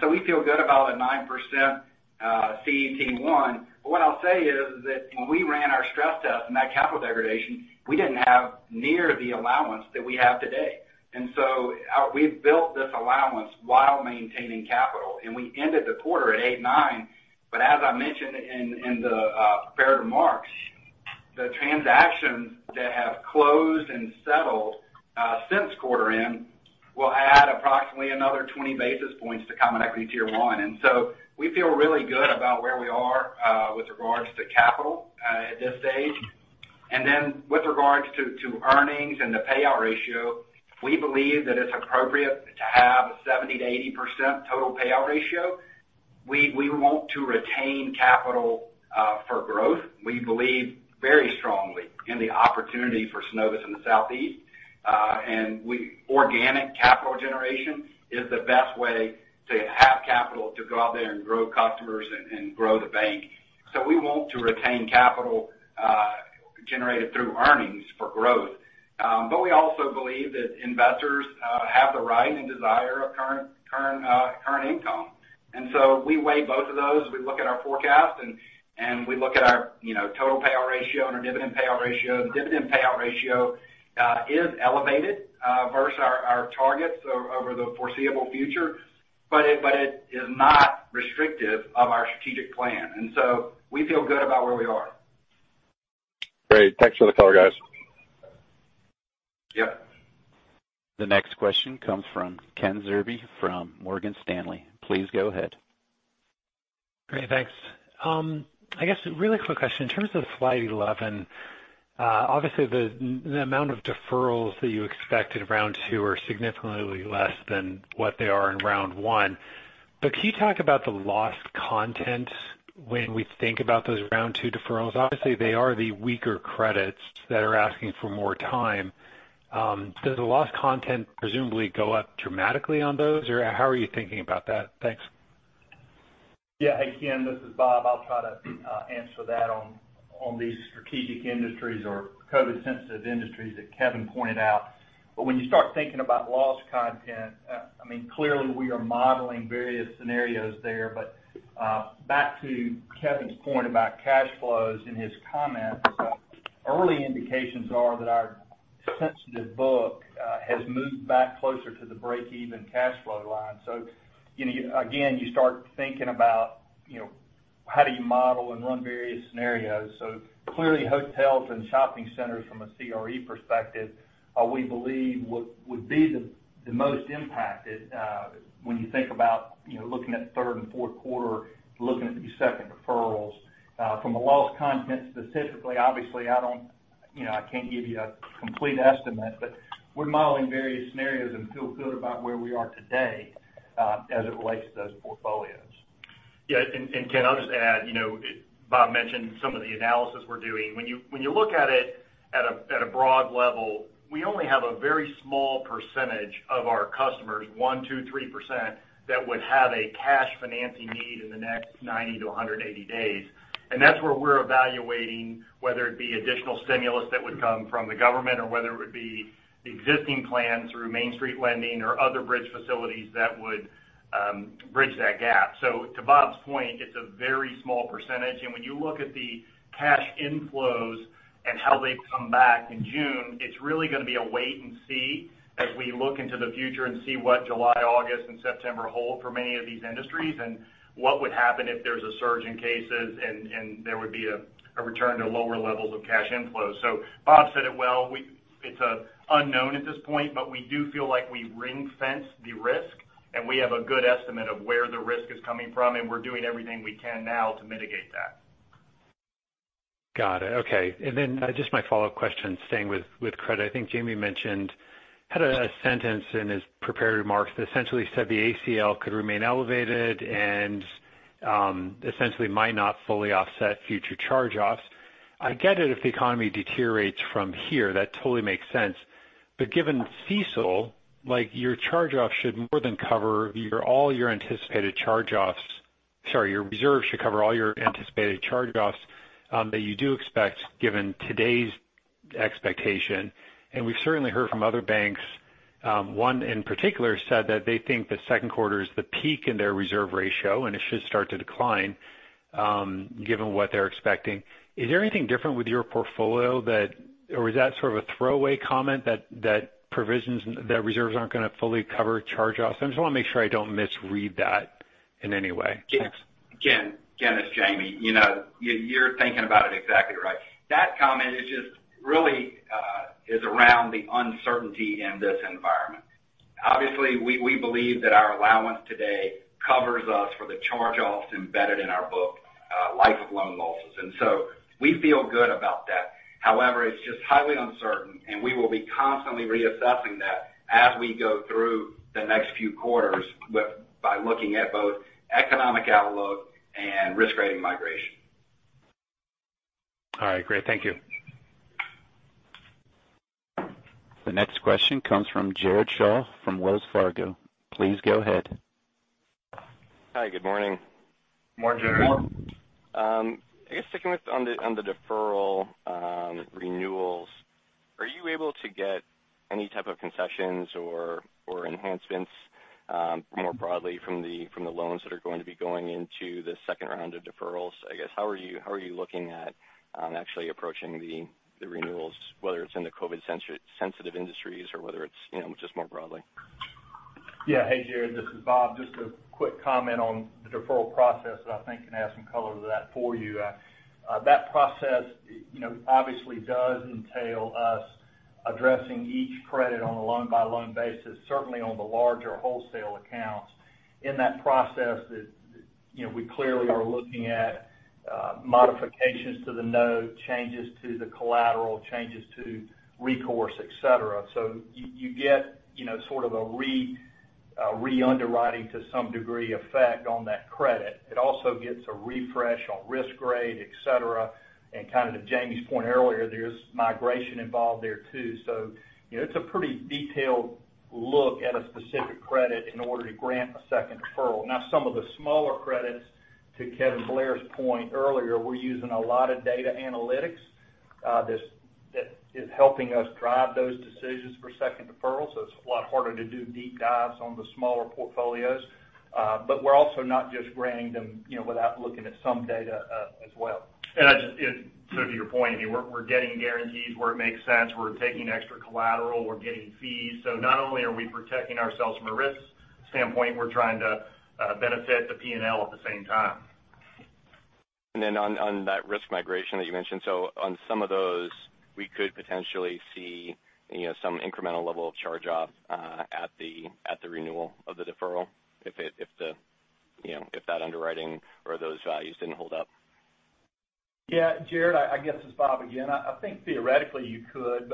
We feel good about a 9% CET1. What I'll say is that when we ran our stress test and that capital degradation, we didn't have near the allowance that we have today. We've built this allowance while maintaining capital, and we ended the quarter at 8.9. As I mentioned in the prepared remarks, the transactions that have closed and settled since quarter end will add approximately another 20 basis points to common equity tier 1. We feel really good about where we are with regards to capital at this stage. With regards to earnings and the payout ratio, we believe that it's appropriate to have a 70%-80% total payout ratio. We want to retain capital for growth. We believe very strongly in the opportunity for Synovus in the Southeast. Organic capital generation is the best way to have capital to go out there and grow customers and grow the bank. We want to retain capital generated through earnings for growth. We also believe that investors have the right and desire of current income. We weigh both of those. We look at our forecast, and we look at our total payout ratio and our dividend payout ratio. Dividend payout ratio is elevated versus our targets over the foreseeable future, but it is not restrictive of our strategic plan. We feel good about where we are. Great. Thanks for the color, guys. Yep. The next question comes from Ken Zerbe from Morgan Stanley. Please go ahead. Great. Thanks. I guess a really quick question. In terms of slide 11, obviously the amount of deferrals that you expect in round 2 are significantly less than what they are in round 1. Can you talk about the loss content when we think about those round 2 deferrals? Obviously, they are the weaker credits that are asking for more time. Does the loss content presumably go up dramatically on those? How are you thinking about that? Thanks. Yeah. Hey, Ken, this is Bob. I'll try to answer that on these strategic industries or COVID-sensitive industries that Kevin pointed out. When you start thinking about loss content, clearly we are modeling various scenarios there. Back to Kevin's point about cash flows in his comments, early indications are that our sensitive book has moved back closer to the break-even cash flow line. Again, you start thinking about how do you model and run various scenarios. Clearly, hotels and shopping centers from a CRE perspective, we believe would be the most impacted when you think about looking at third and fourth quarter, looking at these second deferrals. From a loss content specifically, obviously, I can't give you a complete estimate, but we're modeling various scenarios and feel good about where we are today as it relates to those portfolios. Yeah. Ken, I'll just add, Bob mentioned some of the analysis we're doing. When you look at it at a broad level, we only have a very small percentage of our customers, 1%, 2%, 3%, that would have a cash financing need in the next 90 to 180 days. That's where we're evaluating whether it be additional stimulus that would come from the government or whether it would be existing plans through Main Street lending or other bridge facilities that would bridge that gap. To Bob's point, it's a very small percentage. When you look at the cash inflows and how they come back in June, it's really going to be a wait and see as we look into the future and see what July, August, and September hold for many of these industries, and what would happen if there's a surge in cases and there would be a return to lower levels of cash inflows. Bob said it well. It's an unknown at this point, but we do feel like we ring-fenced the risk, and we have a good estimate of where the risk is coming from, and we're doing everything we can now to mitigate that. Got it. Okay. Just my follow-up question, staying with credit. I think Jamie mentioned, had a sentence in his prepared remarks that essentially said the ACL could remain elevated and essentially might not fully offset future charge-offs. I get it if the economy deteriorates from here, that totally makes sense. Given CECL, your reserves should cover all your anticipated charge-offs that you do expect, given today's expectation. We've certainly heard from other banks, one in particular said that they think that second quarter is the peak in their reserve ratio, and it should start to decline, given what they're expecting. Is there anything different with your portfolio, or is that sort of a throwaway comment that reserves aren't going to fully cover charge-offs? I just want to make sure I don't misread that in any way. Ken, it's Jamie. You're thinking about it exactly right. That comment is just really around the uncertainty in this environment. Obviously, we believe that our allowance today covers us for the charge-offs embedded in our book, life of loan losses. We feel good about that. However, it's just highly uncertain, and we will be constantly reassessing that as we go through the next few quarters by looking at both economic outlook and risk rating migration. All right, great. Thank you. The next question comes from Jared Shaw from Wells Fargo. Please go ahead. Hi, good morning. Morning, Jared. I guess sticking with on the deferral renewals, are you able to get any type of concessions or enhancements more broadly from the loans that are going to be going into the second round of deferrals? I guess, how are you looking at actually approaching the renewals, whether it's in the COVID sensitive industries or whether it's just more broadly? Hey, Jared, this is Bob. Just a quick comment on the deferral process that I think can add some color to that for you. That process obviously does entail us addressing each credit on a loan-by-loan basis, certainly on the larger wholesale accounts. In that process, we clearly are looking at modifications to the note, changes to the collateral, changes to recourse, et cetera. You get sort of a re-underwriting to some degree effect on that credit. It also gets a refresh on risk grade, et cetera, and to Jamie's point earlier, there's migration involved there too. It's a pretty detailed look at a specific credit in order to grant a second deferral. Now, some of the smaller credits, to Kevin Blair's point earlier, we're using a lot of data analytics that is helping us drive those decisions for second deferrals. It's a lot harder to do deep dives on the smaller portfolios. We're also not just granting them without looking at some data as well. To your point, we're getting guarantees where it makes sense. We're taking extra collateral, we're getting fees. Not only are we protecting ourselves from a risk standpoint, we're trying to benefit the P&L at the same time. On that risk migration that you mentioned, on some of those, we could potentially see some incremental level of charge-off at the renewal of the deferral if that underwriting or those values didn't hold up. Yeah, Jared, I guess it's Bob again. I think theoretically you could,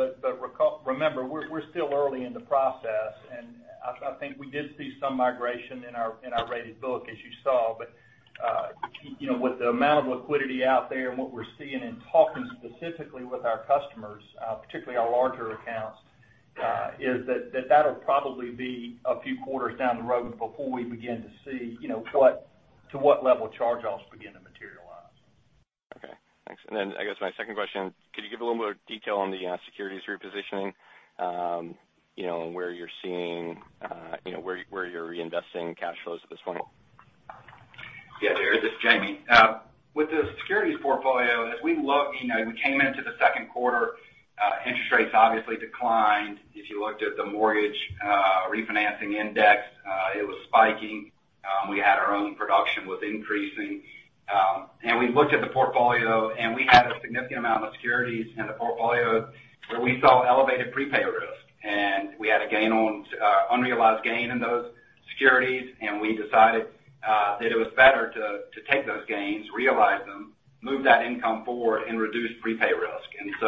remember, we're still early in the process, and I think we did see some migration in our rated book, as you saw. With the amount of liquidity out there and what we're seeing and talking specifically with our customers, particularly our larger accounts, is that that'll probably be a few quarters down the road before we begin to see to what level charge-offs begin to materialize. Okay, thanks. I guess my second question, could you give a little more detail on the securities repositioning where you're reinvesting cash flows at this point? Jared, this is Jamie. With the securities portfolio, as we look, we came into the second quarter, interest rates obviously declined. If you looked at the mortgage refinancing index, it was spiking. We had our own production was increasing. We looked at the portfolio, and we had a significant amount of securities in the portfolio where we saw elevated prepay risk, and we had unrealized gain in those securities, we decided that it was better to take those gains, realize them, move that income forward, and reduce prepay risk.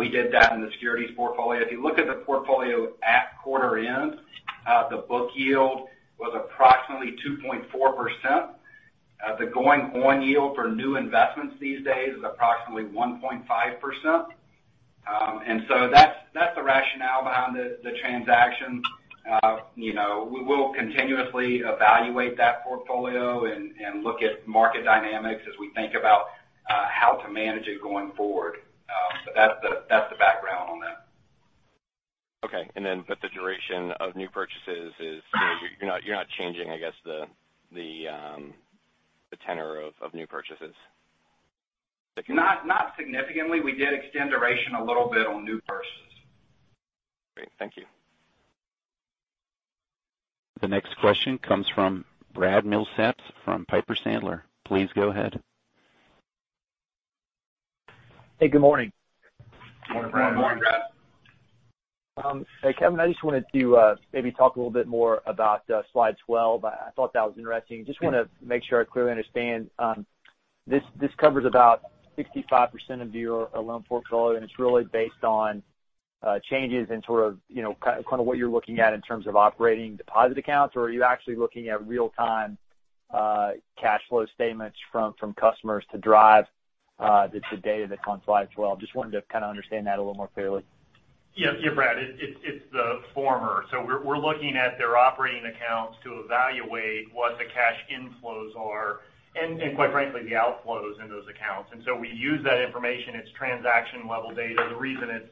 We did that in the securities portfolio. If you look at the portfolio at quarter end, the book yield was approximately 2.4%. The going-on yield for new investments these days is approximately 1.5%. That's the rationale behind the transaction. We will continuously evaluate that portfolio and look at market dynamics as we think about how to manage it going forward. That's the background on that. Okay. The duration of new purchases is you're not changing, I guess, the tenure of new purchases. Not significantly. We did extend duration a little bit on new purchases. Great. Thank you. The next question comes from Brad Millsaps from Piper Sandler. Please go ahead. Hey, good morning. Morning, Brad. Morning, Brad. Hey, Kevin, I just wanted to maybe talk a little bit more about slide 12. I thought that was interesting. Just want to make sure I clearly understand. This covers about 65% of your loan portfolio, and it's really based on changes in kind of what you're looking at in terms of operating deposit accounts, or are you actually looking at real-time cash flow statements from customers to drive the data that's on slide 12? Just wanted to kind of understand that a little more clearly. Yeah, Brad, it's the former. We're looking at their operating accounts to evaluate what the cash inflows are and quite frankly, the outflows in those accounts. We use that information, it's transaction-level data. The reason it's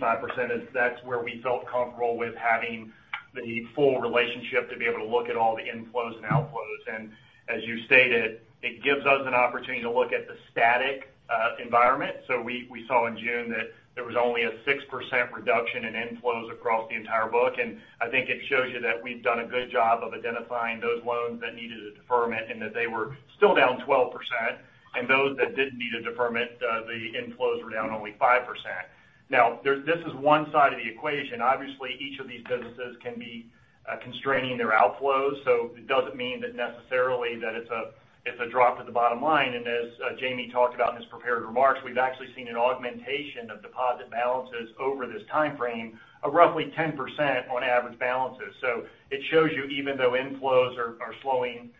65% is that's where we felt comfortable with having the full relationship to be able to look at all the inflows and outflows. As you stated, it gives us an opportunity to look at the static environment. We saw in June that there was only a 6% reduction in inflows across the entire book, and I think it shows you that we've done a good job of identifying those loans that needed a deferment, and that they were still down 12%. Those that didn't need a deferment, the inflows were down only 5%. Now, this is one side of the equation. Obviously, each of these businesses can be constraining their outflows. It doesn't mean that necessarily that it's a drop to the bottom line. As Jamie talked about in his prepared remarks, we've actually seen an augmentation of deposit balances over this timeframe of roughly 10% on average balances. It shows you, even though inflows are slowing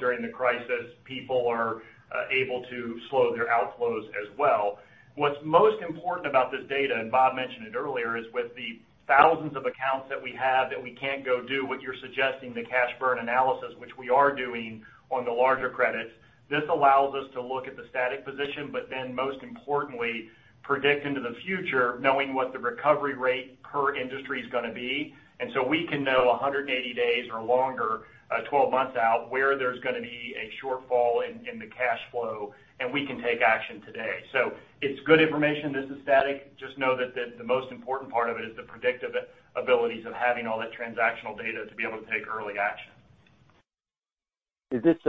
during the crisis, people are able to slow their outflows as well. What's most important about this data, and Bob mentioned it earlier, is with the thousands of accounts that we have that we can't go do what you're suggesting, the cash burn analysis, which we are doing on the larger credits. This allows us to look at the static position, but then most importantly, predict into the future, knowing what the recovery rate per industry is going to be. We can know 180 days or longer, 12 months out, where there's going to be a shortfall in the cash flow, and we can take action today. It's good information. This is static. Just know that the most important part of it is the predictive abilities of having all that transactional data to be able to take early action. Is this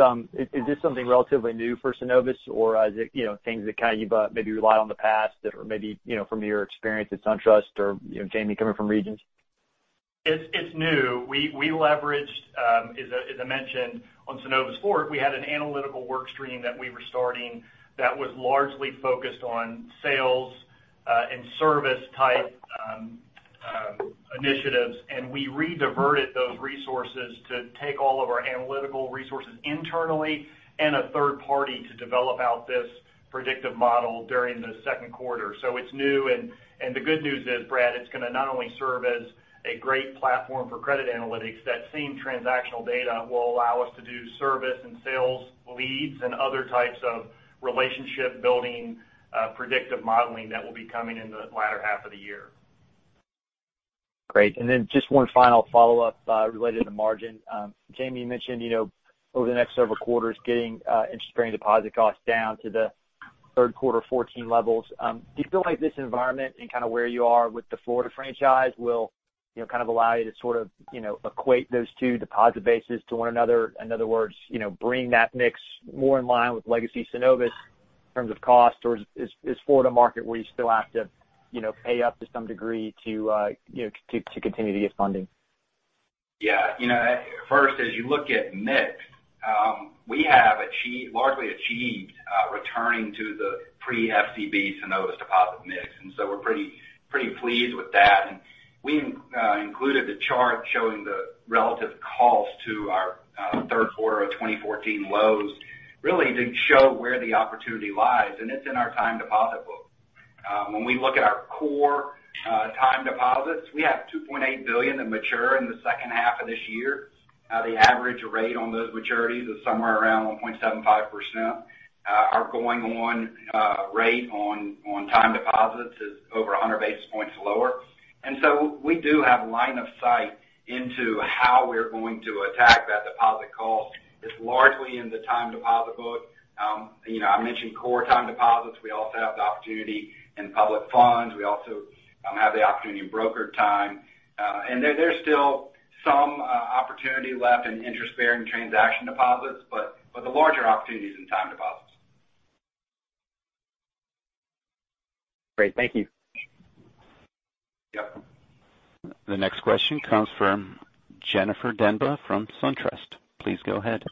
something relatively new for Synovus, or is it things that kind of you maybe relied on the past that are maybe from your experience at SunTrust or Jamie coming from Regions? It's new. We leveraged, as I mentioned, on Synovus Forward, we had an analytical work stream that we were starting that was largely focused on sales and service type initiatives, and we rediverted those resources to take all of our analytical resources internally and a third party to develop out this predictive model during the second quarter. It's new, and the good news is, Brad, it's going to not only serve as a great platform for credit analytics, that same transactional data will allow us to do service and sales leads and other types of relationship building, predictive modeling that will be coming in the latter half of the year. Great. Just one final follow-up related to margin. Jamie, you mentioned over the next several quarters getting interest-bearing deposit costs down to the third quarter 14 levels. Do you feel like this environment and kind of where you are with the Florida franchise will kind of allow you to sort of equate those two deposit bases to one another? In other words, bring that mix more in line with legacy Synovus in terms of cost, or is Florida a market where you still have to pay up to some degree to continue to get funding? First, as you look at mix, we have largely achieved returning to the pre-FCB Synovus deposit mix, we're pretty pleased with that. We included the chart showing the relative cost to our third quarter of 2014 lows, really to show where the opportunity lies, it's in our time deposit book. When we look at our core time deposits, we have $2.8 billion that mature in the second half of this year. The average rate on those maturities is somewhere around 1.75%. Our going-on rate on time deposits is over 100 basis points lower. We do have line of sight into how we're going to attack that deposit cost. It's largely in the time deposit book. I mentioned core time deposits. We also have the opportunity in public funds. We also have the opportunity in brokered time. There's still some opportunity left in interest-bearing transaction deposits, but the larger opportunity is in time deposits. Great. Thank you. Yep. The next question comes from Jennifer Demba from SunTrust. Please go ahead.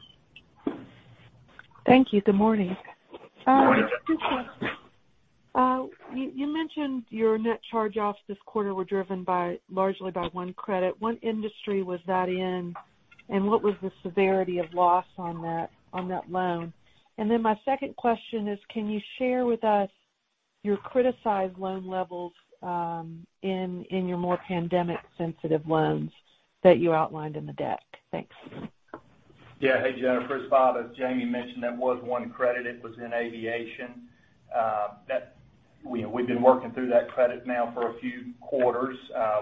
Thank you. Good morning. Morning. You mentioned your net charge-offs this quarter were driven largely by one credit. What industry was that in, and what was the severity of loss on that loan? My second question is, can you share with us your criticized loan levels in your more pandemic-sensitive loans that you outlined in the deck? Thanks. Yeah. Hey, Jennifer, it's Bob. As Jamie mentioned, that was one credit. It was in aviation. We've been working through that credit now for a few quarters.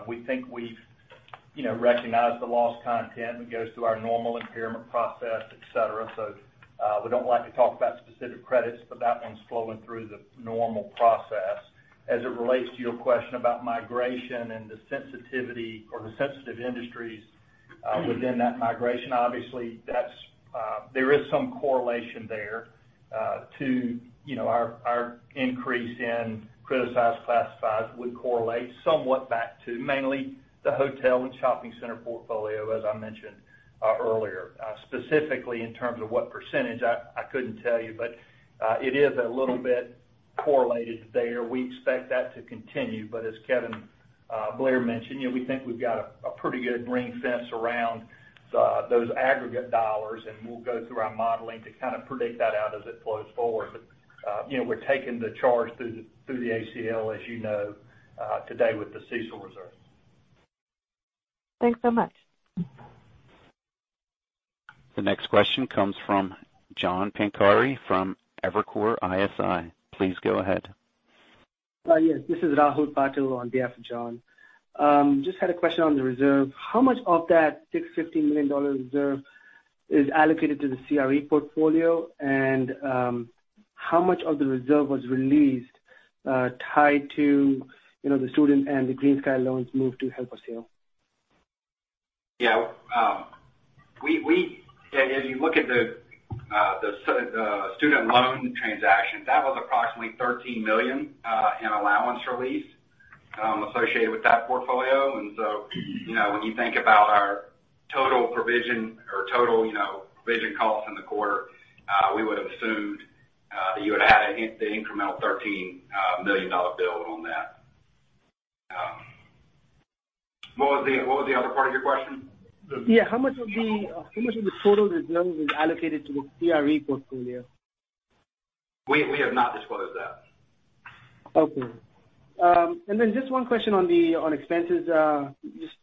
We think we've recognized the loss content that goes through our normal impairment process, et cetera. We don't like to talk about specific credits, but that one's flowing through the normal process. As it relates to your question about migration and the sensitivity or the sensitive industries within that migration. Obviously, there is some correlation there to our increase in criticized classifieds would correlate somewhat back to mainly the hotel and shopping center portfolio, as I mentioned earlier. Specifically, in terms of what percentage, I couldn't tell you, but it is a little bit correlated there. As Kevin Blair mentioned, we think we've got a pretty good ring fence around those aggregate dollars, and we'll go through our modeling to kind of predict that out as it flows forward. We're taking the charge through the ACL, as you know, today with the CECL reserve. Thanks so much. The next question comes from John Pancari from Evercore ISI. Please go ahead. Yes. This is Rahul Patil on behalf of John. Just had a question on the reserve. How much of that $650 million reserve is allocated to the CRE portfolio? How much of the reserve was released tied to the student and the GreenSky loans moved to held for sale? Yeah. If you look at the student loan transaction, that was approximately $13 million in allowance release associated with that portfolio. When you think about our total provision or total provision costs in the quarter, we would have assumed that you would add the incremental $13 million bill on that. What was the other part of your question? Yeah. How much of the total reserve is allocated to the CRE portfolio? We have not disclosed that. Okay. Just one question on expenses. Just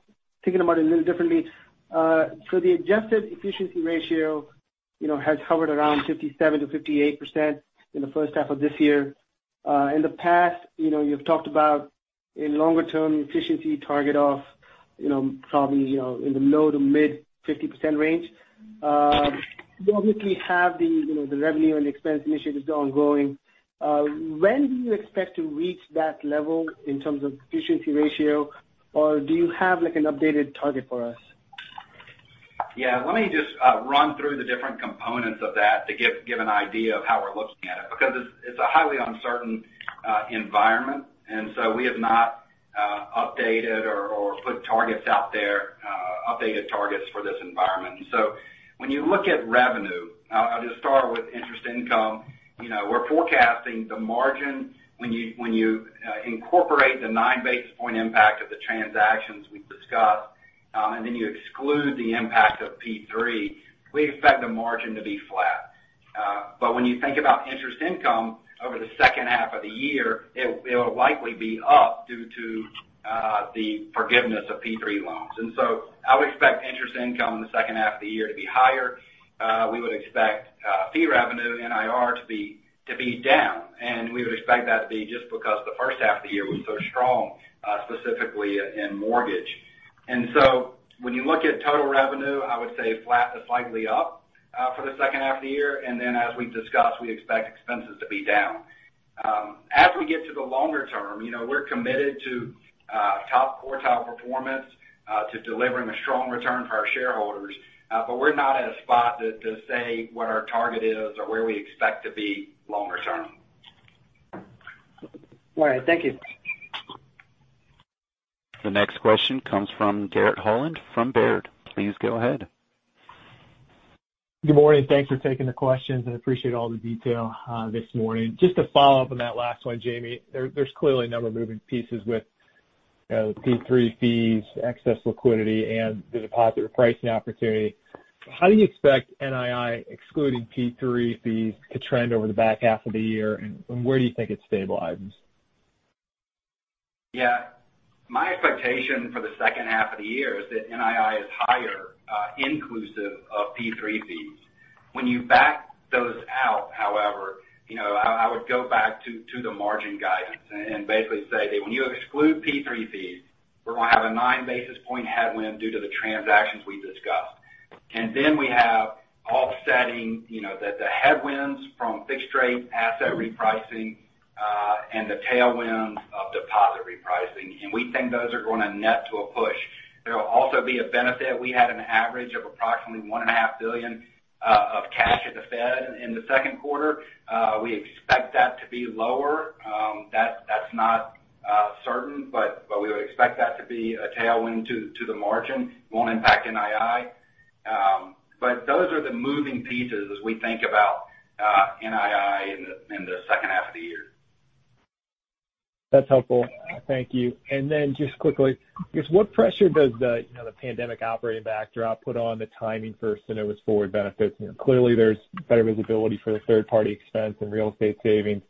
thinking about it a little differently. The adjusted efficiency ratio has hovered around 57%-58% in the first half of this year. In the past, you've talked about a longer-term efficiency target of probably in the low to mid 50% range. You obviously have the revenue and expense initiatives ongoing. When do you expect to reach that level in terms of efficiency ratio, or do you have an updated target for us? Let me just run through the different components of that to give an idea of how we're looking at it, because it's a highly uncertain environment, we have not updated or put targets out there, updated targets for this environment. When you look at revenue, I'll just start with interest income. We're forecasting the margin when you incorporate the nine basis point impact of the transactions we've discussed, and then you exclude the impact of PPP, we expect the margin to be flat. When you think about interest income over the second half of the year, it will likely be up due to the forgiveness of PPP loans. I would expect interest income in the second half of the year to be higher. We would expect fee revenue NIR to be down, and we would expect that to be just because the first half of the year was so strong, specifically in mortgage. When you look at total revenue, I would say flat to slightly up for the second half of the year. As we discussed, we expect expenses to be down. As we get to the longer term, we're committed to top quartile performance to delivering a strong return for our shareholders. We're not at a spot to say what our target is or where we expect to be longer term. All right. Thank you. The next question comes from Garrett Holland from Baird. Please go ahead. Good morning. Thanks for taking the questions. Appreciate all the detail this morning. Just to follow up on that last one, Jamie, there's clearly a number of moving pieces with the PPP fees, excess liquidity, and the deposit repricing opportunity. How do you expect NII, excluding PPP fees, to trend over the back half of the year, and where do you think it stabilizes? Yeah. My expectation for the second half of the year is that NII is higher inclusive of PPP fees. When you back those out, however, I would go back to the margin guidance and basically say that when you exclude PPP fees, we're going to have a nine basis point headwind due to the transactions we discussed. We have offsetting the headwinds from fixed rate asset repricing, and the tailwinds of deposit repricing. We think those are going to net to a push. There will also be a benefit. We had an average of approximately $1.5 billion of cash at the Fed in the second quarter. We expect that to be lower. That's not certain, but we would expect that to be a tailwind to the margin. It won't impact NII. Those are the moving pieces as we think about NII in the second half of the year. That's helpful. Thank you. Just quickly, I guess what pressure does the pandemic operating backdrop put on the timing for Synovus Forward benefits? Clearly, there's better visibility for the third-party expense and real estate savings.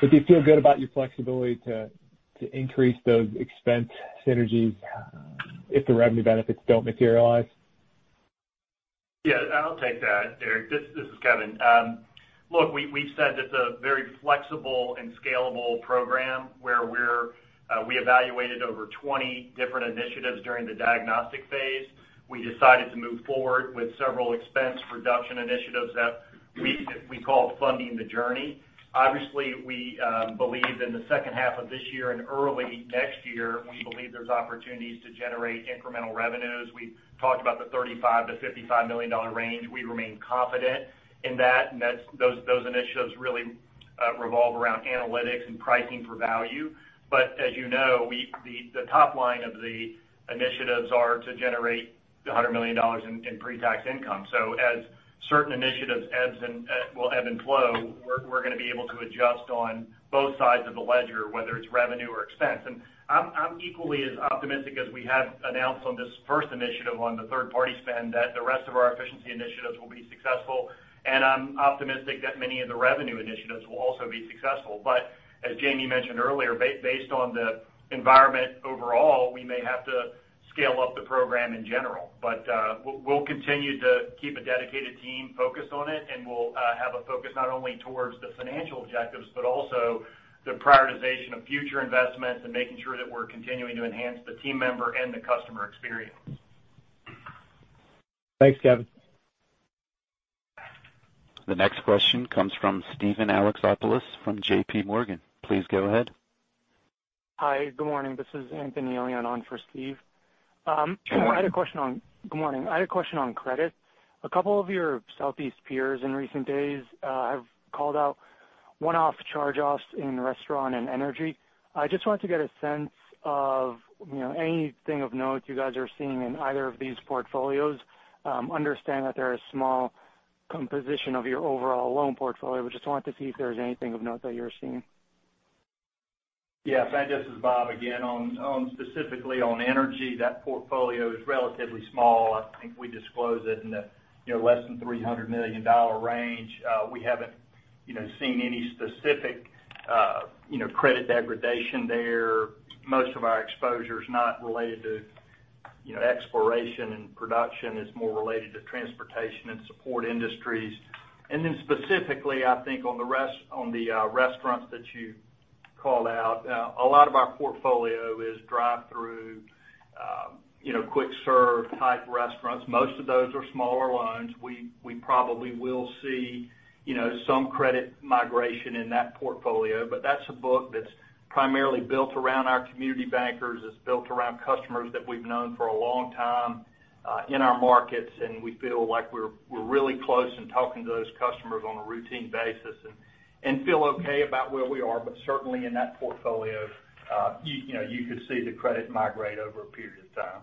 Do you feel good about your flexibility to increase those expense synergies if the revenue benefits don't materialize? Yeah, I'll take that, Garrett. This is Kevin. Look, We evaluated over 20 different initiatives during the diagnostic phase. We decided to move forward with several expense reduction initiatives that we call Funding the Journey. Obviously, we believe in the second half of this year and early next year, we believe there's opportunities to generate incremental revenues. We've talked about the $35 million-$55 million range. We remain confident in that. Those initiatives really revolve around analytics and pricing for value. As you know, the top line of the initiatives are to generate $100 million in pre-tax income. As certain initiatives ebb and flow, we're going to be able to adjust on both sides of the ledger, whether it's revenue or expense. I'm equally as optimistic as we have announced on this first initiative on the third-party spend, that the rest of our efficiency initiatives will be successful. I'm optimistic that many of the revenue initiatives will also be successful. As Jamie mentioned earlier, based on the environment overall, we may have to scale up the program in general. We'll continue to keep a dedicated team focused on it, and we'll have a focus not only towards the financial objectives, but also the prioritization of future investments and making sure that we're continuing to enhance the team member and the customer experience. Thanks, Kevin. The next question comes from Steven Alexopoulos from JPMorgan. Please go ahead. Hi. Good morning. This is Anthony Elian on for Steve. Good morning. Good morning. I had a question on credit. A couple of your Southeast peers in recent days have called out one-off charge-offs in restaurant and energy. I just wanted to get a sense of anything of note you guys are seeing in either of these portfolios. Understand that they're a small composition of your overall loan portfolio, but just wanted to see if there was anything of note that you're seeing. Yes. This is Bob again. Specifically on energy, that portfolio is relatively small. I think we disclose it in the less than $300 million range. We haven't seen any specific credit degradation there. Most of our exposure is not related to exploration and production. It's more related to transportation and support industries. Specifically, I think on the restaurants that you called out, a lot of our portfolio is drive-through, quick-serve type restaurants. Most of those are smaller loans. We probably will see some credit migration in that portfolio, but that's a book that's primarily built around our community bankers. It's built around customers that we've known for a long time in our markets, and we feel like we're really close and talking to those customers on a routine basis and feel okay about where we are. Certainly in that portfolio you could see the credit migrate over a period of time.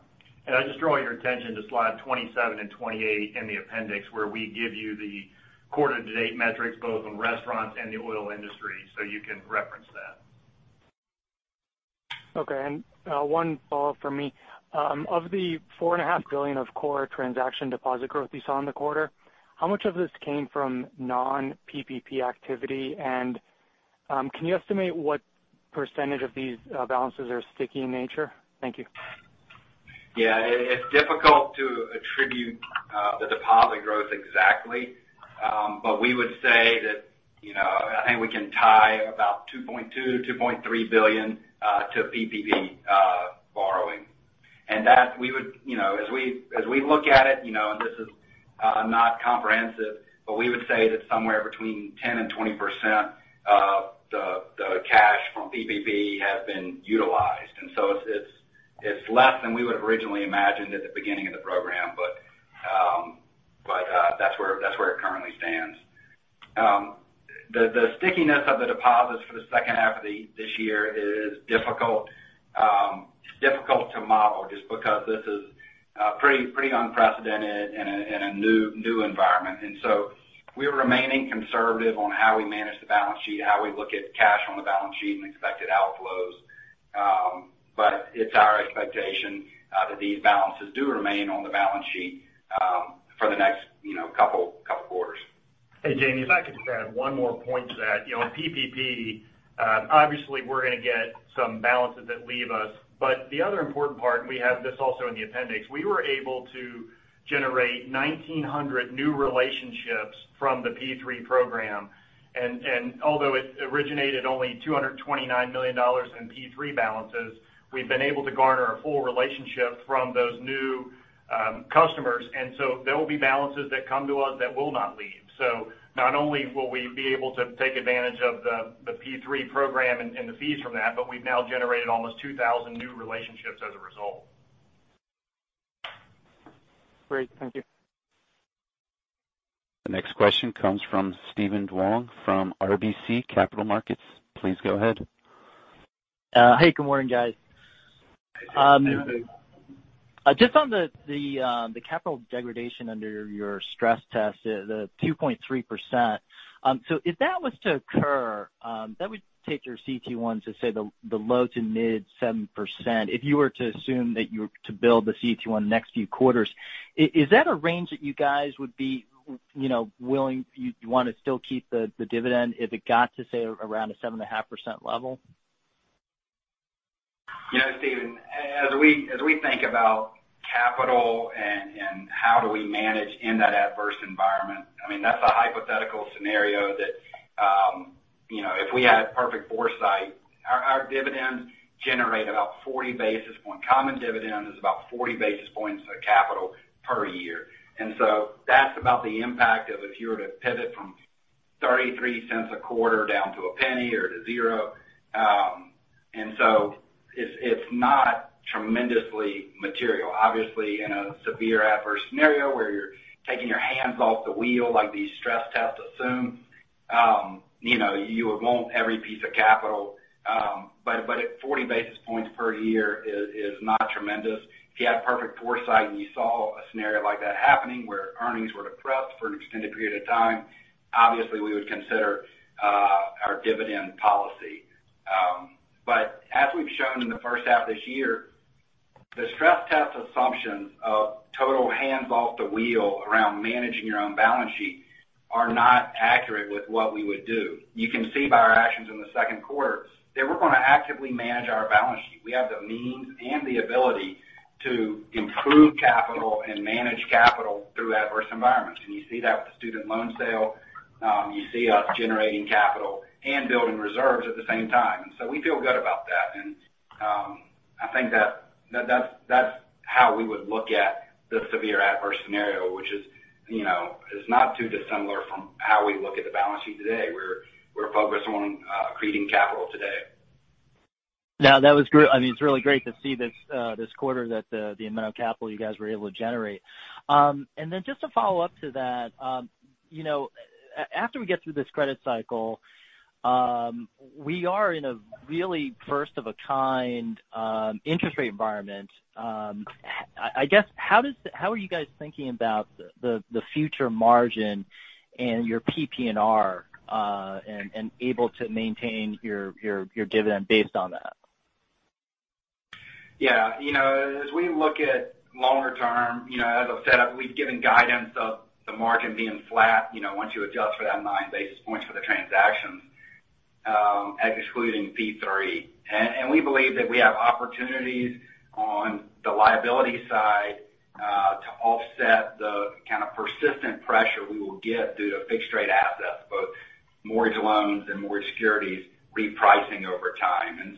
I'd just draw your attention to slide 27 and 28 in the appendix, where we give you the quarter-to-date metrics both on restaurants and the oil industry, so you can reference that. Okay. One follow-up from me. Of the $4.5 billion of core transaction deposit growth you saw in the quarter, how much of this came from non-PPP activity? Can you estimate what % of these balances are sticky in nature? Thank you. It's difficult to attribute the deposit growth exactly. We would say that, I think we can tie about $2.2 billion-$2.3 billion to PPP borrowing. As we look at it, and this is not comprehensive, but we would say that somewhere between 10%-20% of the cash from PPP has been utilized. It's less than we would've originally imagined at the beginning of the program, but that's where it currently stands. The stickiness of the deposits for the second half of this year is difficult to model just because this is pretty unprecedented in a new environment. We're remaining conservative on how we manage the balance sheet, how we look at cash on the balance sheet and expected outflows. It's our expectation that these balances do remain on the balance sheet for the next couple quarters. Hey, Jamie, if I could just add one more point to that. PPP, obviously we're going to get some balances that leave us, but the other important part, and we have this also in the appendix, we were able to generate 1,900 new relationships from the PPP program. Although it originated only $229 million in PPP balances, we've been able to garner a full relationship from those new customers. There will be balances that come to us that will not leave. Not only will we be able to take advantage of the PPP program and the fees from that, but we've now generated almost 2,000 new relationships as a result. Great. Thank you. The next question comes from Steven Duong from RBC Capital Markets. Please go ahead. Hey, good morning, guys. Hey, Steve. On the capital degradation under your stress test, the 2.3%. If that was to occur, that would take your CET1 to, say, the low to mid 7%. If you were to assume that you were to build the CET1 the next few quarters, is that a range that you guys would be willing to still keep the dividend if it got to, say, around a 7.5% level? Yeah, Steven, as we think about. Capital and how do we manage in that adverse environment? That's a hypothetical scenario that if we had perfect foresight, our common dividend is about 40 basis points of capital per year. That's about the impact of if you were to pivot from $0.33 a quarter down to $0.01 or to zero. It's not tremendously material. Obviously, in a severe adverse scenario where you're taking your hands off the wheel like these stress tests assume, you would want every piece of capital. At 40 basis points per year is not tremendous. If you had perfect foresight and you saw a scenario like that happening where earnings were depressed for an extended period of time, obviously we would consider our dividend policy. As we've shown in the first half of this year, the stress test assumptions of total hands off the wheel around managing your own balance sheet are not accurate with what we would do. You can see by our actions in the second quarter that we're going to actively manage our balance sheet. We have the means and the ability to improve capital and manage capital through adverse environments. You see that with the student loan sale. You see us generating capital and building reserves at the same time. We feel good about that. I think that's how we would look at the severe adverse scenario, which is not too dissimilar from how we look at the balance sheet today. We're focused on creating capital today. No, it's really great to see this quarter that the amount of capital you guys were able to generate. Just to follow up to that, after we get through this credit cycle, we are in a really first of a kind interest rate environment. I guess, how are you guys thinking about the future margin and your PPNR, and able to maintain your dividend based on that? As we look at longer term, as I've said, we've given guidance of the margin being flat, once you adjust for that nine basis points for the transactions, excluding PPP. We believe that we have opportunities on the liability side to offset the kind of persistent pressure we will get due to fixed rate assets, both mortgage loans and mortgage securities repricing over time.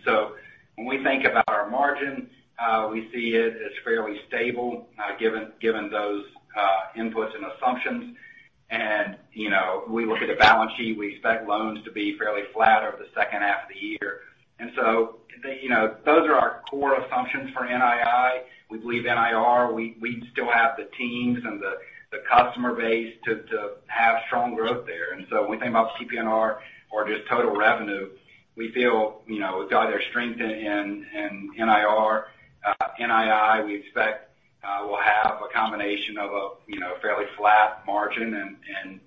When we think about our margin, we see it as fairly stable given those inputs and assumptions. We look at a balance sheet, we expect loans to be fairly flat over the second half of the year. Those are our core assumptions for NII. We believe NIR, we still have the teams and the customer base to have strong growth there. When we think about PPNR or just total revenue, we feel, with the other strength in NIR, NII, we expect will have a combination of a fairly flat margin and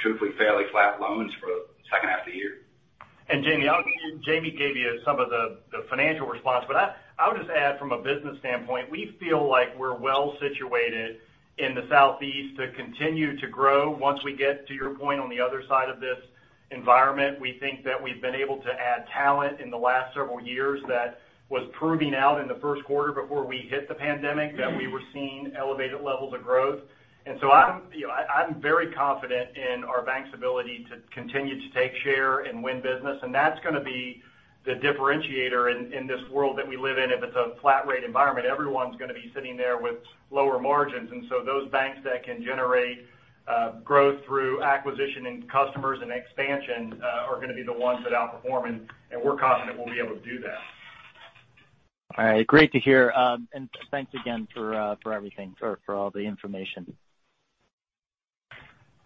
truthfully, fairly flat loans for the second half of the year. Jamie gave you some of the financial response, but I would just add from a business standpoint, we feel like we're well-situated in the Southeast to continue to grow once we get to your point on the other side of this environment. We think that we've been able to add talent in the last several years that was proving out in the first quarter before we hit the pandemic, that we were seeing elevated levels of growth. I'm very confident in our bank's ability to continue to take share and win business. That's going to be the differentiator in this world that we live in. If it's a flat rate environment, everyone's going to be sitting there with lower margins. Those banks that can generate growth through acquisition and customers and expansion are going to be the ones that outperform, and we're confident we'll be able to do that. All right. Great to hear. Thanks again for everything, for all the information.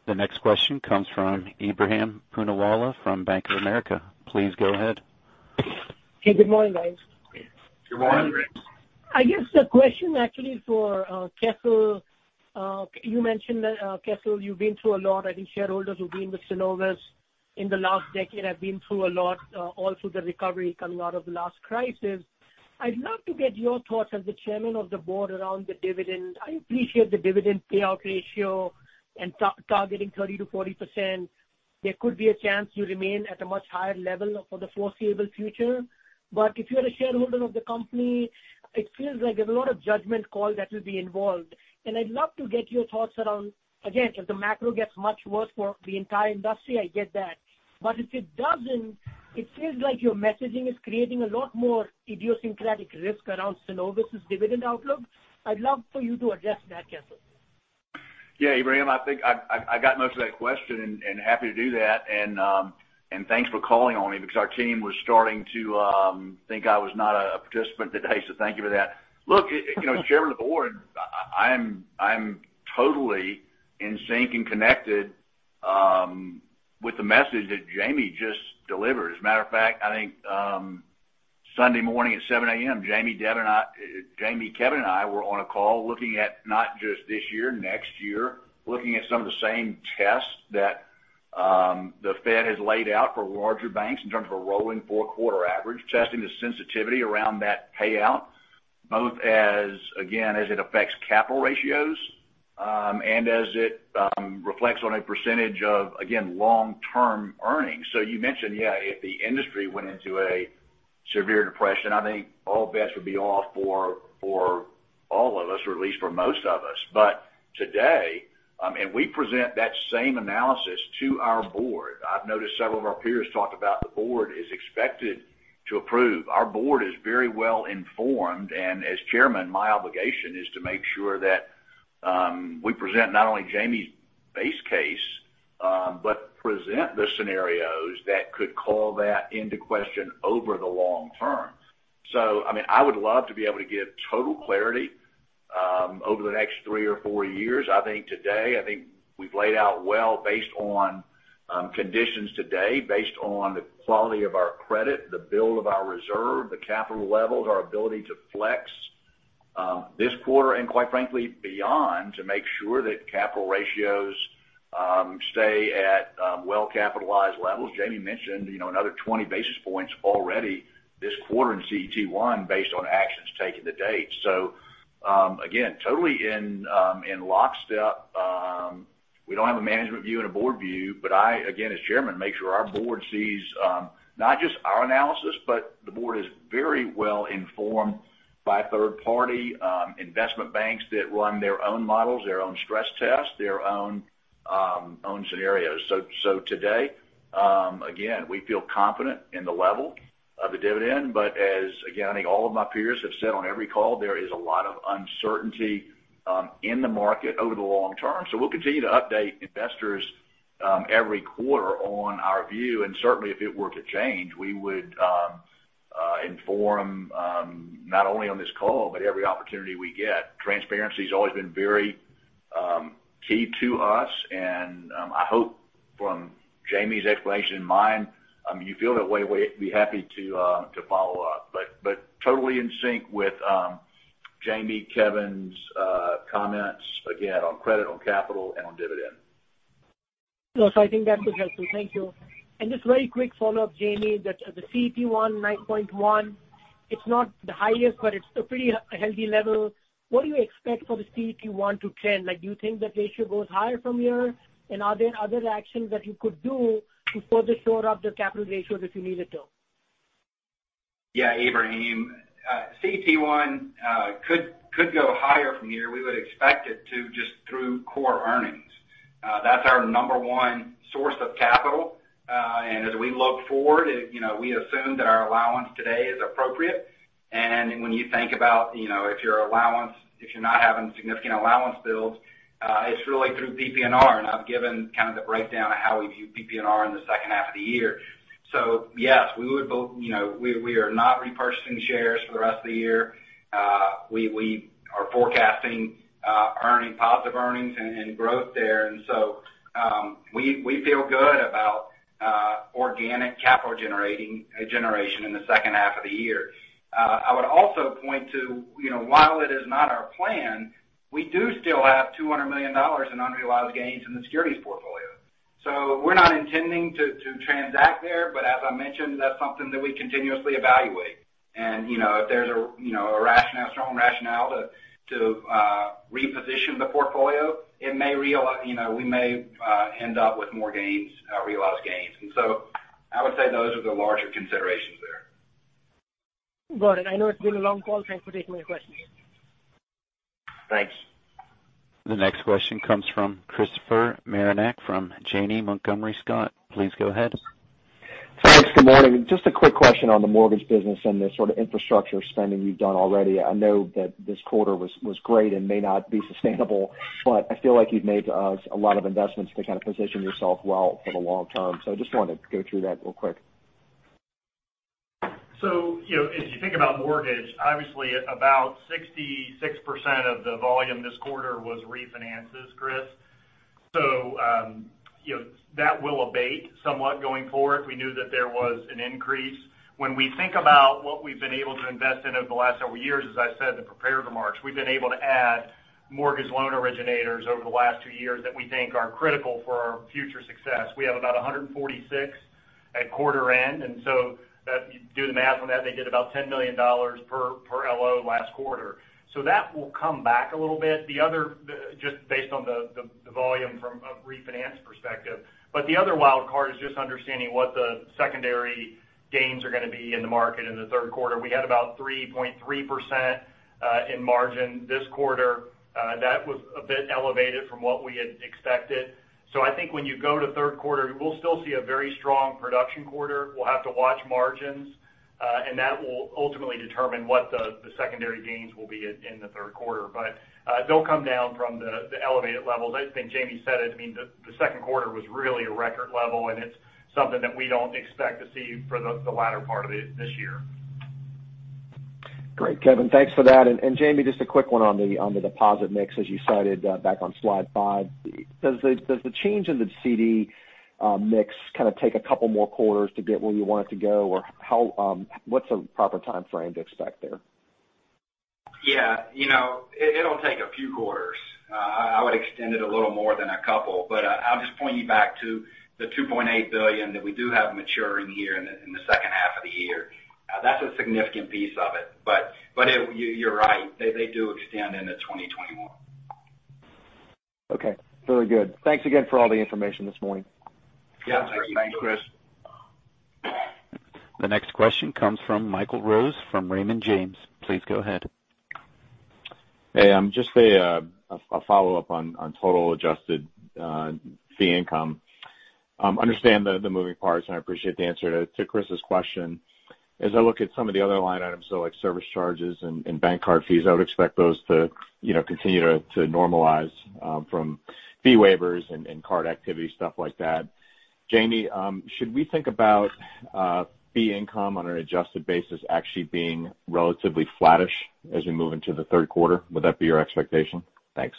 The next question comes from Ebrahim Poonawala from Bank of America. Please go ahead. Hey, good morning, guys. Good morning. Good morning. I guess the question actually is for Kessel. You mentioned, Kessel, you've been through a lot. I think shareholders who've been with Synovus in the last decade have been through a lot, all through the recovery coming out of the last crisis. I'd love to get your thoughts as the chairman of the board around the dividend. I appreciate the dividend payout ratio and targeting 30%-40%. There could be a chance you remain at a much higher level for the foreseeable future. If you're a shareholder of the company, it feels like there's a lot of judgment call that will be involved. I'd love to get your thoughts around, again, if the macro gets much worse for the entire industry, I get that. If it doesn't, it feels like your messaging is creating a lot more idiosyncratic risk around Synovus' dividend outlook. I'd love for you to address that, Kessel. Ebrahim, I think I got most of that question and happy to do that. Thanks for calling on me because our team was starting to think I was not a participant today, so thank you for that. As chairman of the board, I'm totally in sync and connected with the message that Jamie just delivered. As a matter of fact, I think Sunday morning at 7:00 A.M., Jamie, Kevin and I were on a call looking at not just this year, next year, looking at some of the same tests that the Fed has laid out for larger banks in terms of a rolling four-quarter average, testing the sensitivity around that payout, both as, again, as it affects capital ratios. As it reflects on a percentage of, again, long-term earnings. You mentioned, yeah, if the industry went into a severe depression, I think all bets would be off for all of us, or at least for most of us. Today, we present that same analysis to our board. I've noticed several of our peers talk about the board is expected to approve. Our board is very well-informed, and as chairman, my obligation is to make sure that we present not only Jamie's base case, but present the scenarios that could call that into question over the long term. I would love to be able to give total clarity over the next three or four years. I think today, we've laid out well based on conditions today, based on the quality of our credit, the build of our reserve, the capital levels, our ability to flex this quarter, and quite frankly, beyond, to make sure that capital ratios stay at well-capitalized levels. Jamie mentioned another 20 basis points already this quarter in CET1 based on actions taken to date. Again, totally in lockstep. We don't have a management view and a board view, but I, again, as Chairman, make sure our board sees not just our analysis, but the board is very well-informed by third-party investment banks that run their own models, their own stress tests, their own scenarios. Today, again, we feel confident in the level of the dividend. As, again, I think all of my peers have said on every call, there is a lot of uncertainty in the market over the long term. We'll continue to update investors every quarter on our view, and certainly if it were to change, we would inform not only on this call, but every opportunity we get. Transparency has always been very key to us, and I hope from Jamie's explanation and mine, you feel that way. We'd be happy to follow up. Totally in sync with Jamie, Kevin's comments, again, on credit, on capital, and on dividend. No. I think that was helpful. Thank you. Just very quick follow-up, Jamie, the CET1 9.1%, it's not the highest, but it's a pretty healthy level. What do you expect for the CET1 to trend? Do you think the ratio goes higher from here? Are there other actions that you could do to further shore up the capital ratios if you needed to? Ebrahim. CET1 could go higher from here. We would expect it to just through core earnings. That's our number one source of capital. As we look forward, we assume that our allowance today is appropriate. When you think about if your allowance, if you're not having significant allowance builds, it's really through PPNR, and I've given kind of the breakdown of how we view PPNR in the second half of the year. Yes, we are not repurchasing shares for the rest of the year. We are forecasting positive earnings and growth there, and so we feel good about organic capital generation in the second half of the year. I would also point to, while it is not our plan, we do still have $200 million in unrealized gains in the securities portfolio. We're not intending to transact there, but as I mentioned, that's something that we continuously evaluate. If there's a strong rationale to reposition the portfolio, we may end up with more gains, unrealized gains. I would say those are the larger considerations there. Got it. I know it's been a long call. Thanks for taking my questions. Thanks. The next question comes from Christopher Marinac from Janney Montgomery Scott. Please go ahead. Thanks. Good morning. Just a quick question on the mortgage business and the sort of infrastructure spending you've done already. I know that this quarter was great and may not be sustainable, but I feel like you've made a lot of investments to kind of position yourself well for the long term. I just wanted to go through that real quick. As you think about mortgage, obviously about 66% of the volume this quarter was refinances, Chris. That will abate somewhat going forward. We knew that there was an increase. When we think about what we've been able to invest in over the last several years, as I said in the prepared remarks, we've been able to add mortgage loan originators over the last two years that we think are critical for our future success. We have about 146 at quarter end, and so do the math on that. They did about $10 million per LO last quarter. That will come back a little bit, just based on the volume from a refinance perspective. The other wild card is just understanding what the secondary gains are going to be in the market in the third quarter. We had about 3.3% in margin this quarter. That was a bit elevated from what we had expected. I think when you go to third quarter, we'll still see a very strong production quarter. We'll have to watch margins, and that will ultimately determine what the secondary gains will be in the third quarter. They'll come down from the elevated levels. I think Jamie said it. The second quarter was really a record level, and it's something that we don't expect to see for the latter part of this year. Great, Kevin, thanks for that. Jamie, just a quick one on the deposit mix, as you cited back on slide five. Does the change in the CD mix kind of take a couple more quarters to get where you want it to go? Or what's a proper time frame to expect there? Yeah. It'll take a few quarters. I would extend it a little more than a couple, I'll just point you back to the $2.8 billion that we do have maturing here in the second half of the year. That's a significant piece of it. You're right. They do extend into 2021. Okay, very good. Thanks again for all the information this morning. Yeah. Thanks, Chris. The next question comes from Michael Rose from Raymond James. Please go ahead. Hey, just a follow-up on total adjusted fee income. Understand the moving parts, and I appreciate the answer to Chris's question. As I look at some of the other line items, though, like service charges and bank card fees, I would expect those to continue to normalize from fee waivers and card activity, stuff like that. Jamie, should we think about fee income on an adjusted basis actually being relatively flattish as we move into the third quarter? Would that be your expectation? Thanks.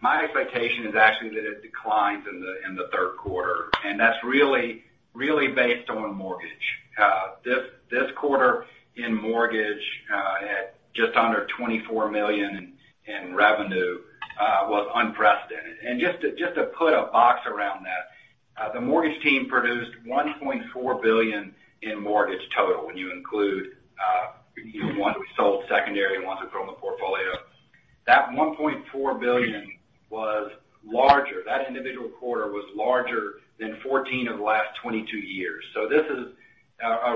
My expectation is actually that it declines in the third quarter. That's really based on mortgage. This quarter in mortgage, at just under $24 million in revenue, was unprecedented. Just to put a box around that, the mortgage team produced $1.4 billion in mortgage total when you include one we sold secondary and ones we've grown the portfolio. That $1.4 billion was larger. That individual quarter was larger than 14 of the last 22 years. This is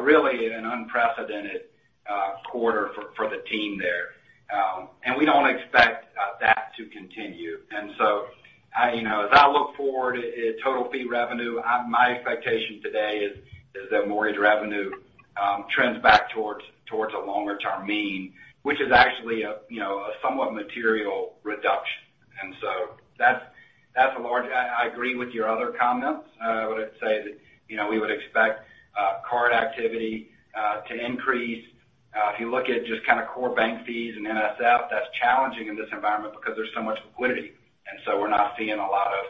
really an unprecedented quarter for the team there. We don't expect that to continue. As I look forward at total fee revenue, my expectation today is that mortgage revenue trends back towards a longer-term mean, which is actually a somewhat material reduction. I agree with your other comments. I would say that we would expect card activity to increase. If you look at just kind of core bank fees and NSF, that's challenging in this environment because there's so much liquidity, and so we're not seeing a lot of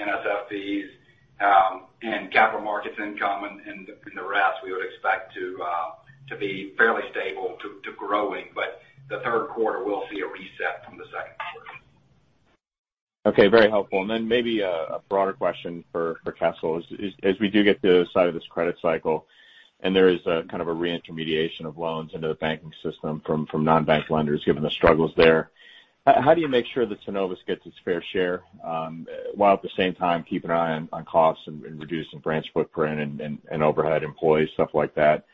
NSF fees. Capital markets income in the rest, we would expect to be fairly stable to growing. The third quarter will see a reset from the second quarter. Okay, very helpful. Maybe a broader question for Kessel. As we do get to the side of this credit cycle, and there is a kind of a re-intermediation of loans into the banking system from non-bank lenders, given the struggles there, how do you make sure that Synovus gets its fair share while at the same time keeping an eye on costs and reducing branch footprint and overhead employees, stuff like that?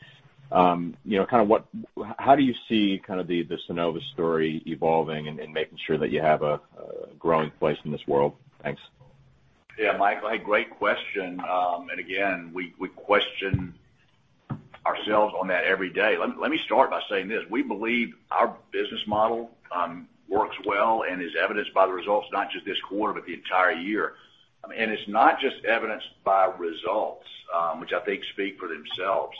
How do you see the Synovus story evolving and making sure that you have a growing place in this world? Thanks. Yeah, Michael, hey, great question. Again, we question ourselves on that every day. Let me start by saying this. We believe our business model works well and is evidenced by the results, not just this quarter, but the entire year. It's not just evidenced by results, which I think speak for themselves,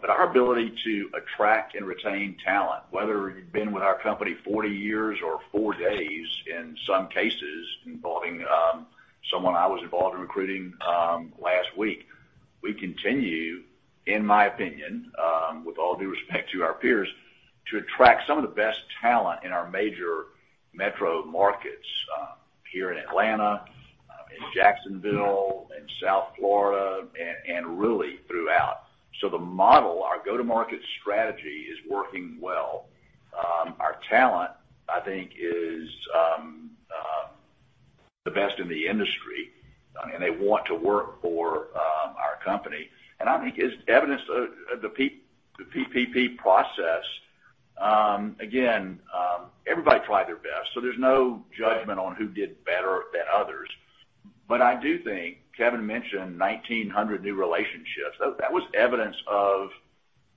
but our ability to attract and retain talent, whether you've been with our company 40 years or four days, in some cases involving someone I was involved in recruiting last week. We continue, in my opinion, with all due respect to our peers, to attract some of the best talent in our major metro markets here in Atlanta, in Jacksonville, in South Florida, and really throughout. The model, our go-to-market strategy, is working well. Our talent, I think is the best in the industry, and they want to work for our company. I think as evidenced, the PPP process, again, everybody tried their best, so there's no judgment on who did better than others. I do think Kevin mentioned 1,900 new relationships. That was evidence of,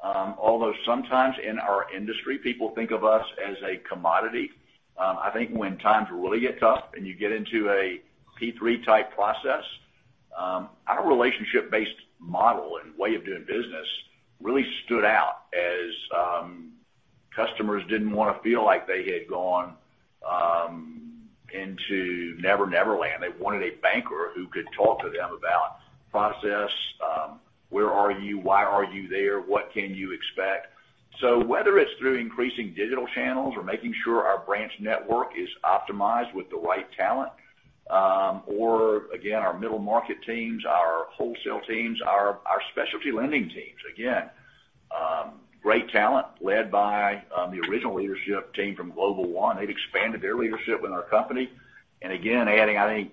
although sometimes in our industry, people think of us as a commodity, I think when times really get tough and you get into a PPP type process, our relationship-based model and way of doing business really stood out as customers didn't want to feel like they had gone into Never Never Land. They wanted a banker who could talk to them about process, where are you, why are you there, what can you expect. Whether it's through increasing digital channels or making sure our branch network is optimized with the right talent, or again, our middle market teams, our wholesale teams, our specialty lending teams, again, great talent led by the original leadership team from Global One. They've expanded their leadership in our company, and again, adding, I think,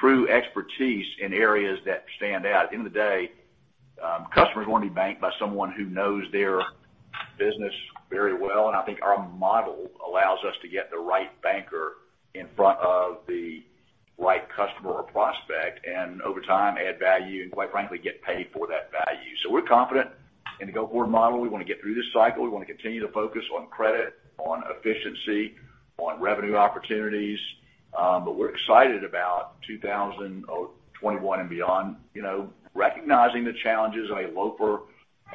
true expertise in areas that stand out. At the end of the day, customers want to be banked by someone who knows their business very well, and I think our model allows us to get the right banker in front of the right customer or prospect and over time, add value and quite frankly, get paid for that value. We're confident in the go-forward model. We want to get through this cycle. We want to continue to focus on credit, on efficiency, on revenue opportunities. We're excited about 2021 and beyond. Recognizing the challenges of a low for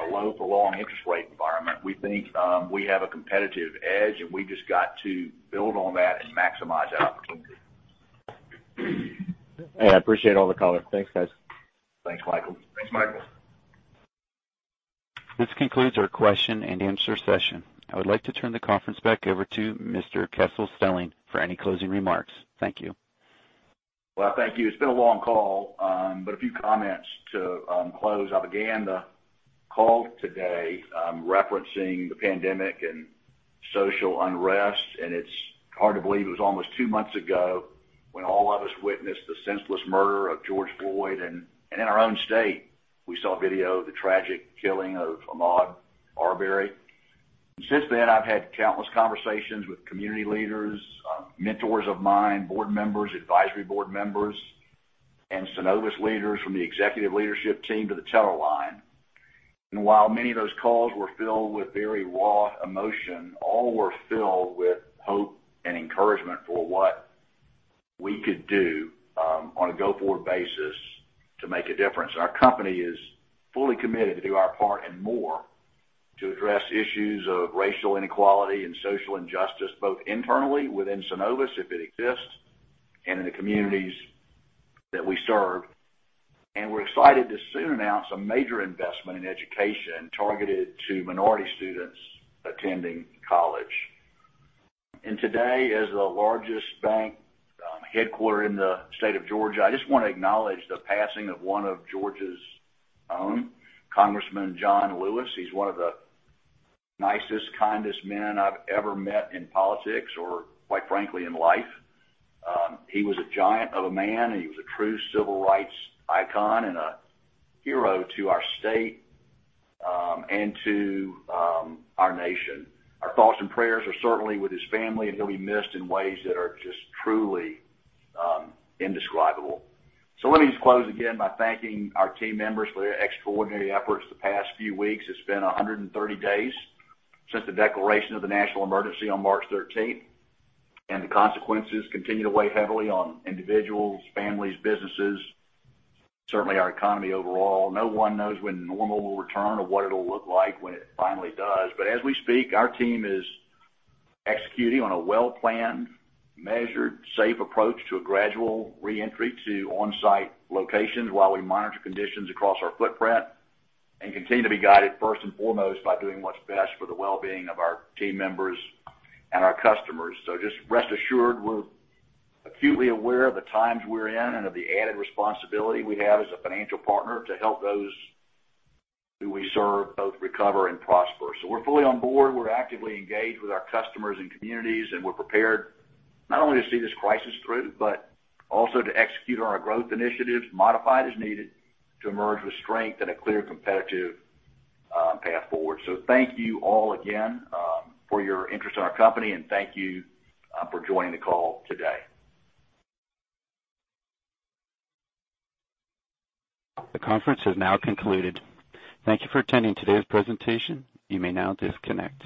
long interest rate environment, we think we have a competitive edge, and we just got to build on that and maximize opportunity. Hey, I appreciate all the color. Thanks, guys. Thanks, Michael. Thanks, Michael. This concludes our question and answer session. I would like to turn the conference back over to Mr. Kessel Stelling for any closing remarks. Thank you. Well, thank you. It's been a long call, a few comments to close. I began the call today referencing the pandemic and social unrest. It's hard to believe it was almost two months ago when all of us witnessed the senseless murder of George Floyd. In our own state, we saw a video of the tragic killing of Ahmaud Arbery. Since then, I've had countless conversations with community leaders, mentors of mine, board members, advisory board members, and Synovus leaders from the executive leadership team to the teller line. While many of those calls were filled with very raw emotion, all were filled with hope and encouragement for what we could do on a go-forward basis to make a difference. Our company is fully committed to do our part and more to address issues of racial inequality and social injustice, both internally within Synovus, if it exists, and in the communities that we serve. We're excited to soon announce a major investment in education targeted to minority students attending college. Today, as the largest bank headquarter in the state of Georgia, I just want to acknowledge the passing of one of Georgia's own, Congressman John Lewis. He's one of the nicest, kindest men I've ever met in politics, or quite frankly, in life. He was a giant of a man, and he was a true civil rights icon and a hero to our state, and to our nation. Our thoughts and prayers are certainly with his family, and he'll be missed in ways that are just truly indescribable. Let me just close again by thanking our team members for their extraordinary efforts the past few weeks. It's been 130 days since the declaration of the national emergency on March 13th. The consequences continue to weigh heavily on individuals, families, businesses, certainly our economy overall. No one knows when normal will return or what it'll look like when it finally does. As we speak, our team is executing on a well-planned, measured, safe approach to a gradual reentry to on-site locations while we monitor conditions across our footprint and continue to be guided first and foremost by doing what's best for the well-being of our team members and our customers. Just rest assured, we're acutely aware of the times we're in and of the added responsibility we have as a financial partner to help those who we serve both recover and prosper. We're fully on board, we're actively engaged with our customers and communities, and we're prepared not only to see this crisis through, but also to execute on our growth initiatives, modified as needed, to emerge with strength and a clear competitive path forward. Thank you all again for your interest in our company, and thank you for joining the call today. The conference has now concluded. Thank you for attending today's presentation. You may now disconnect.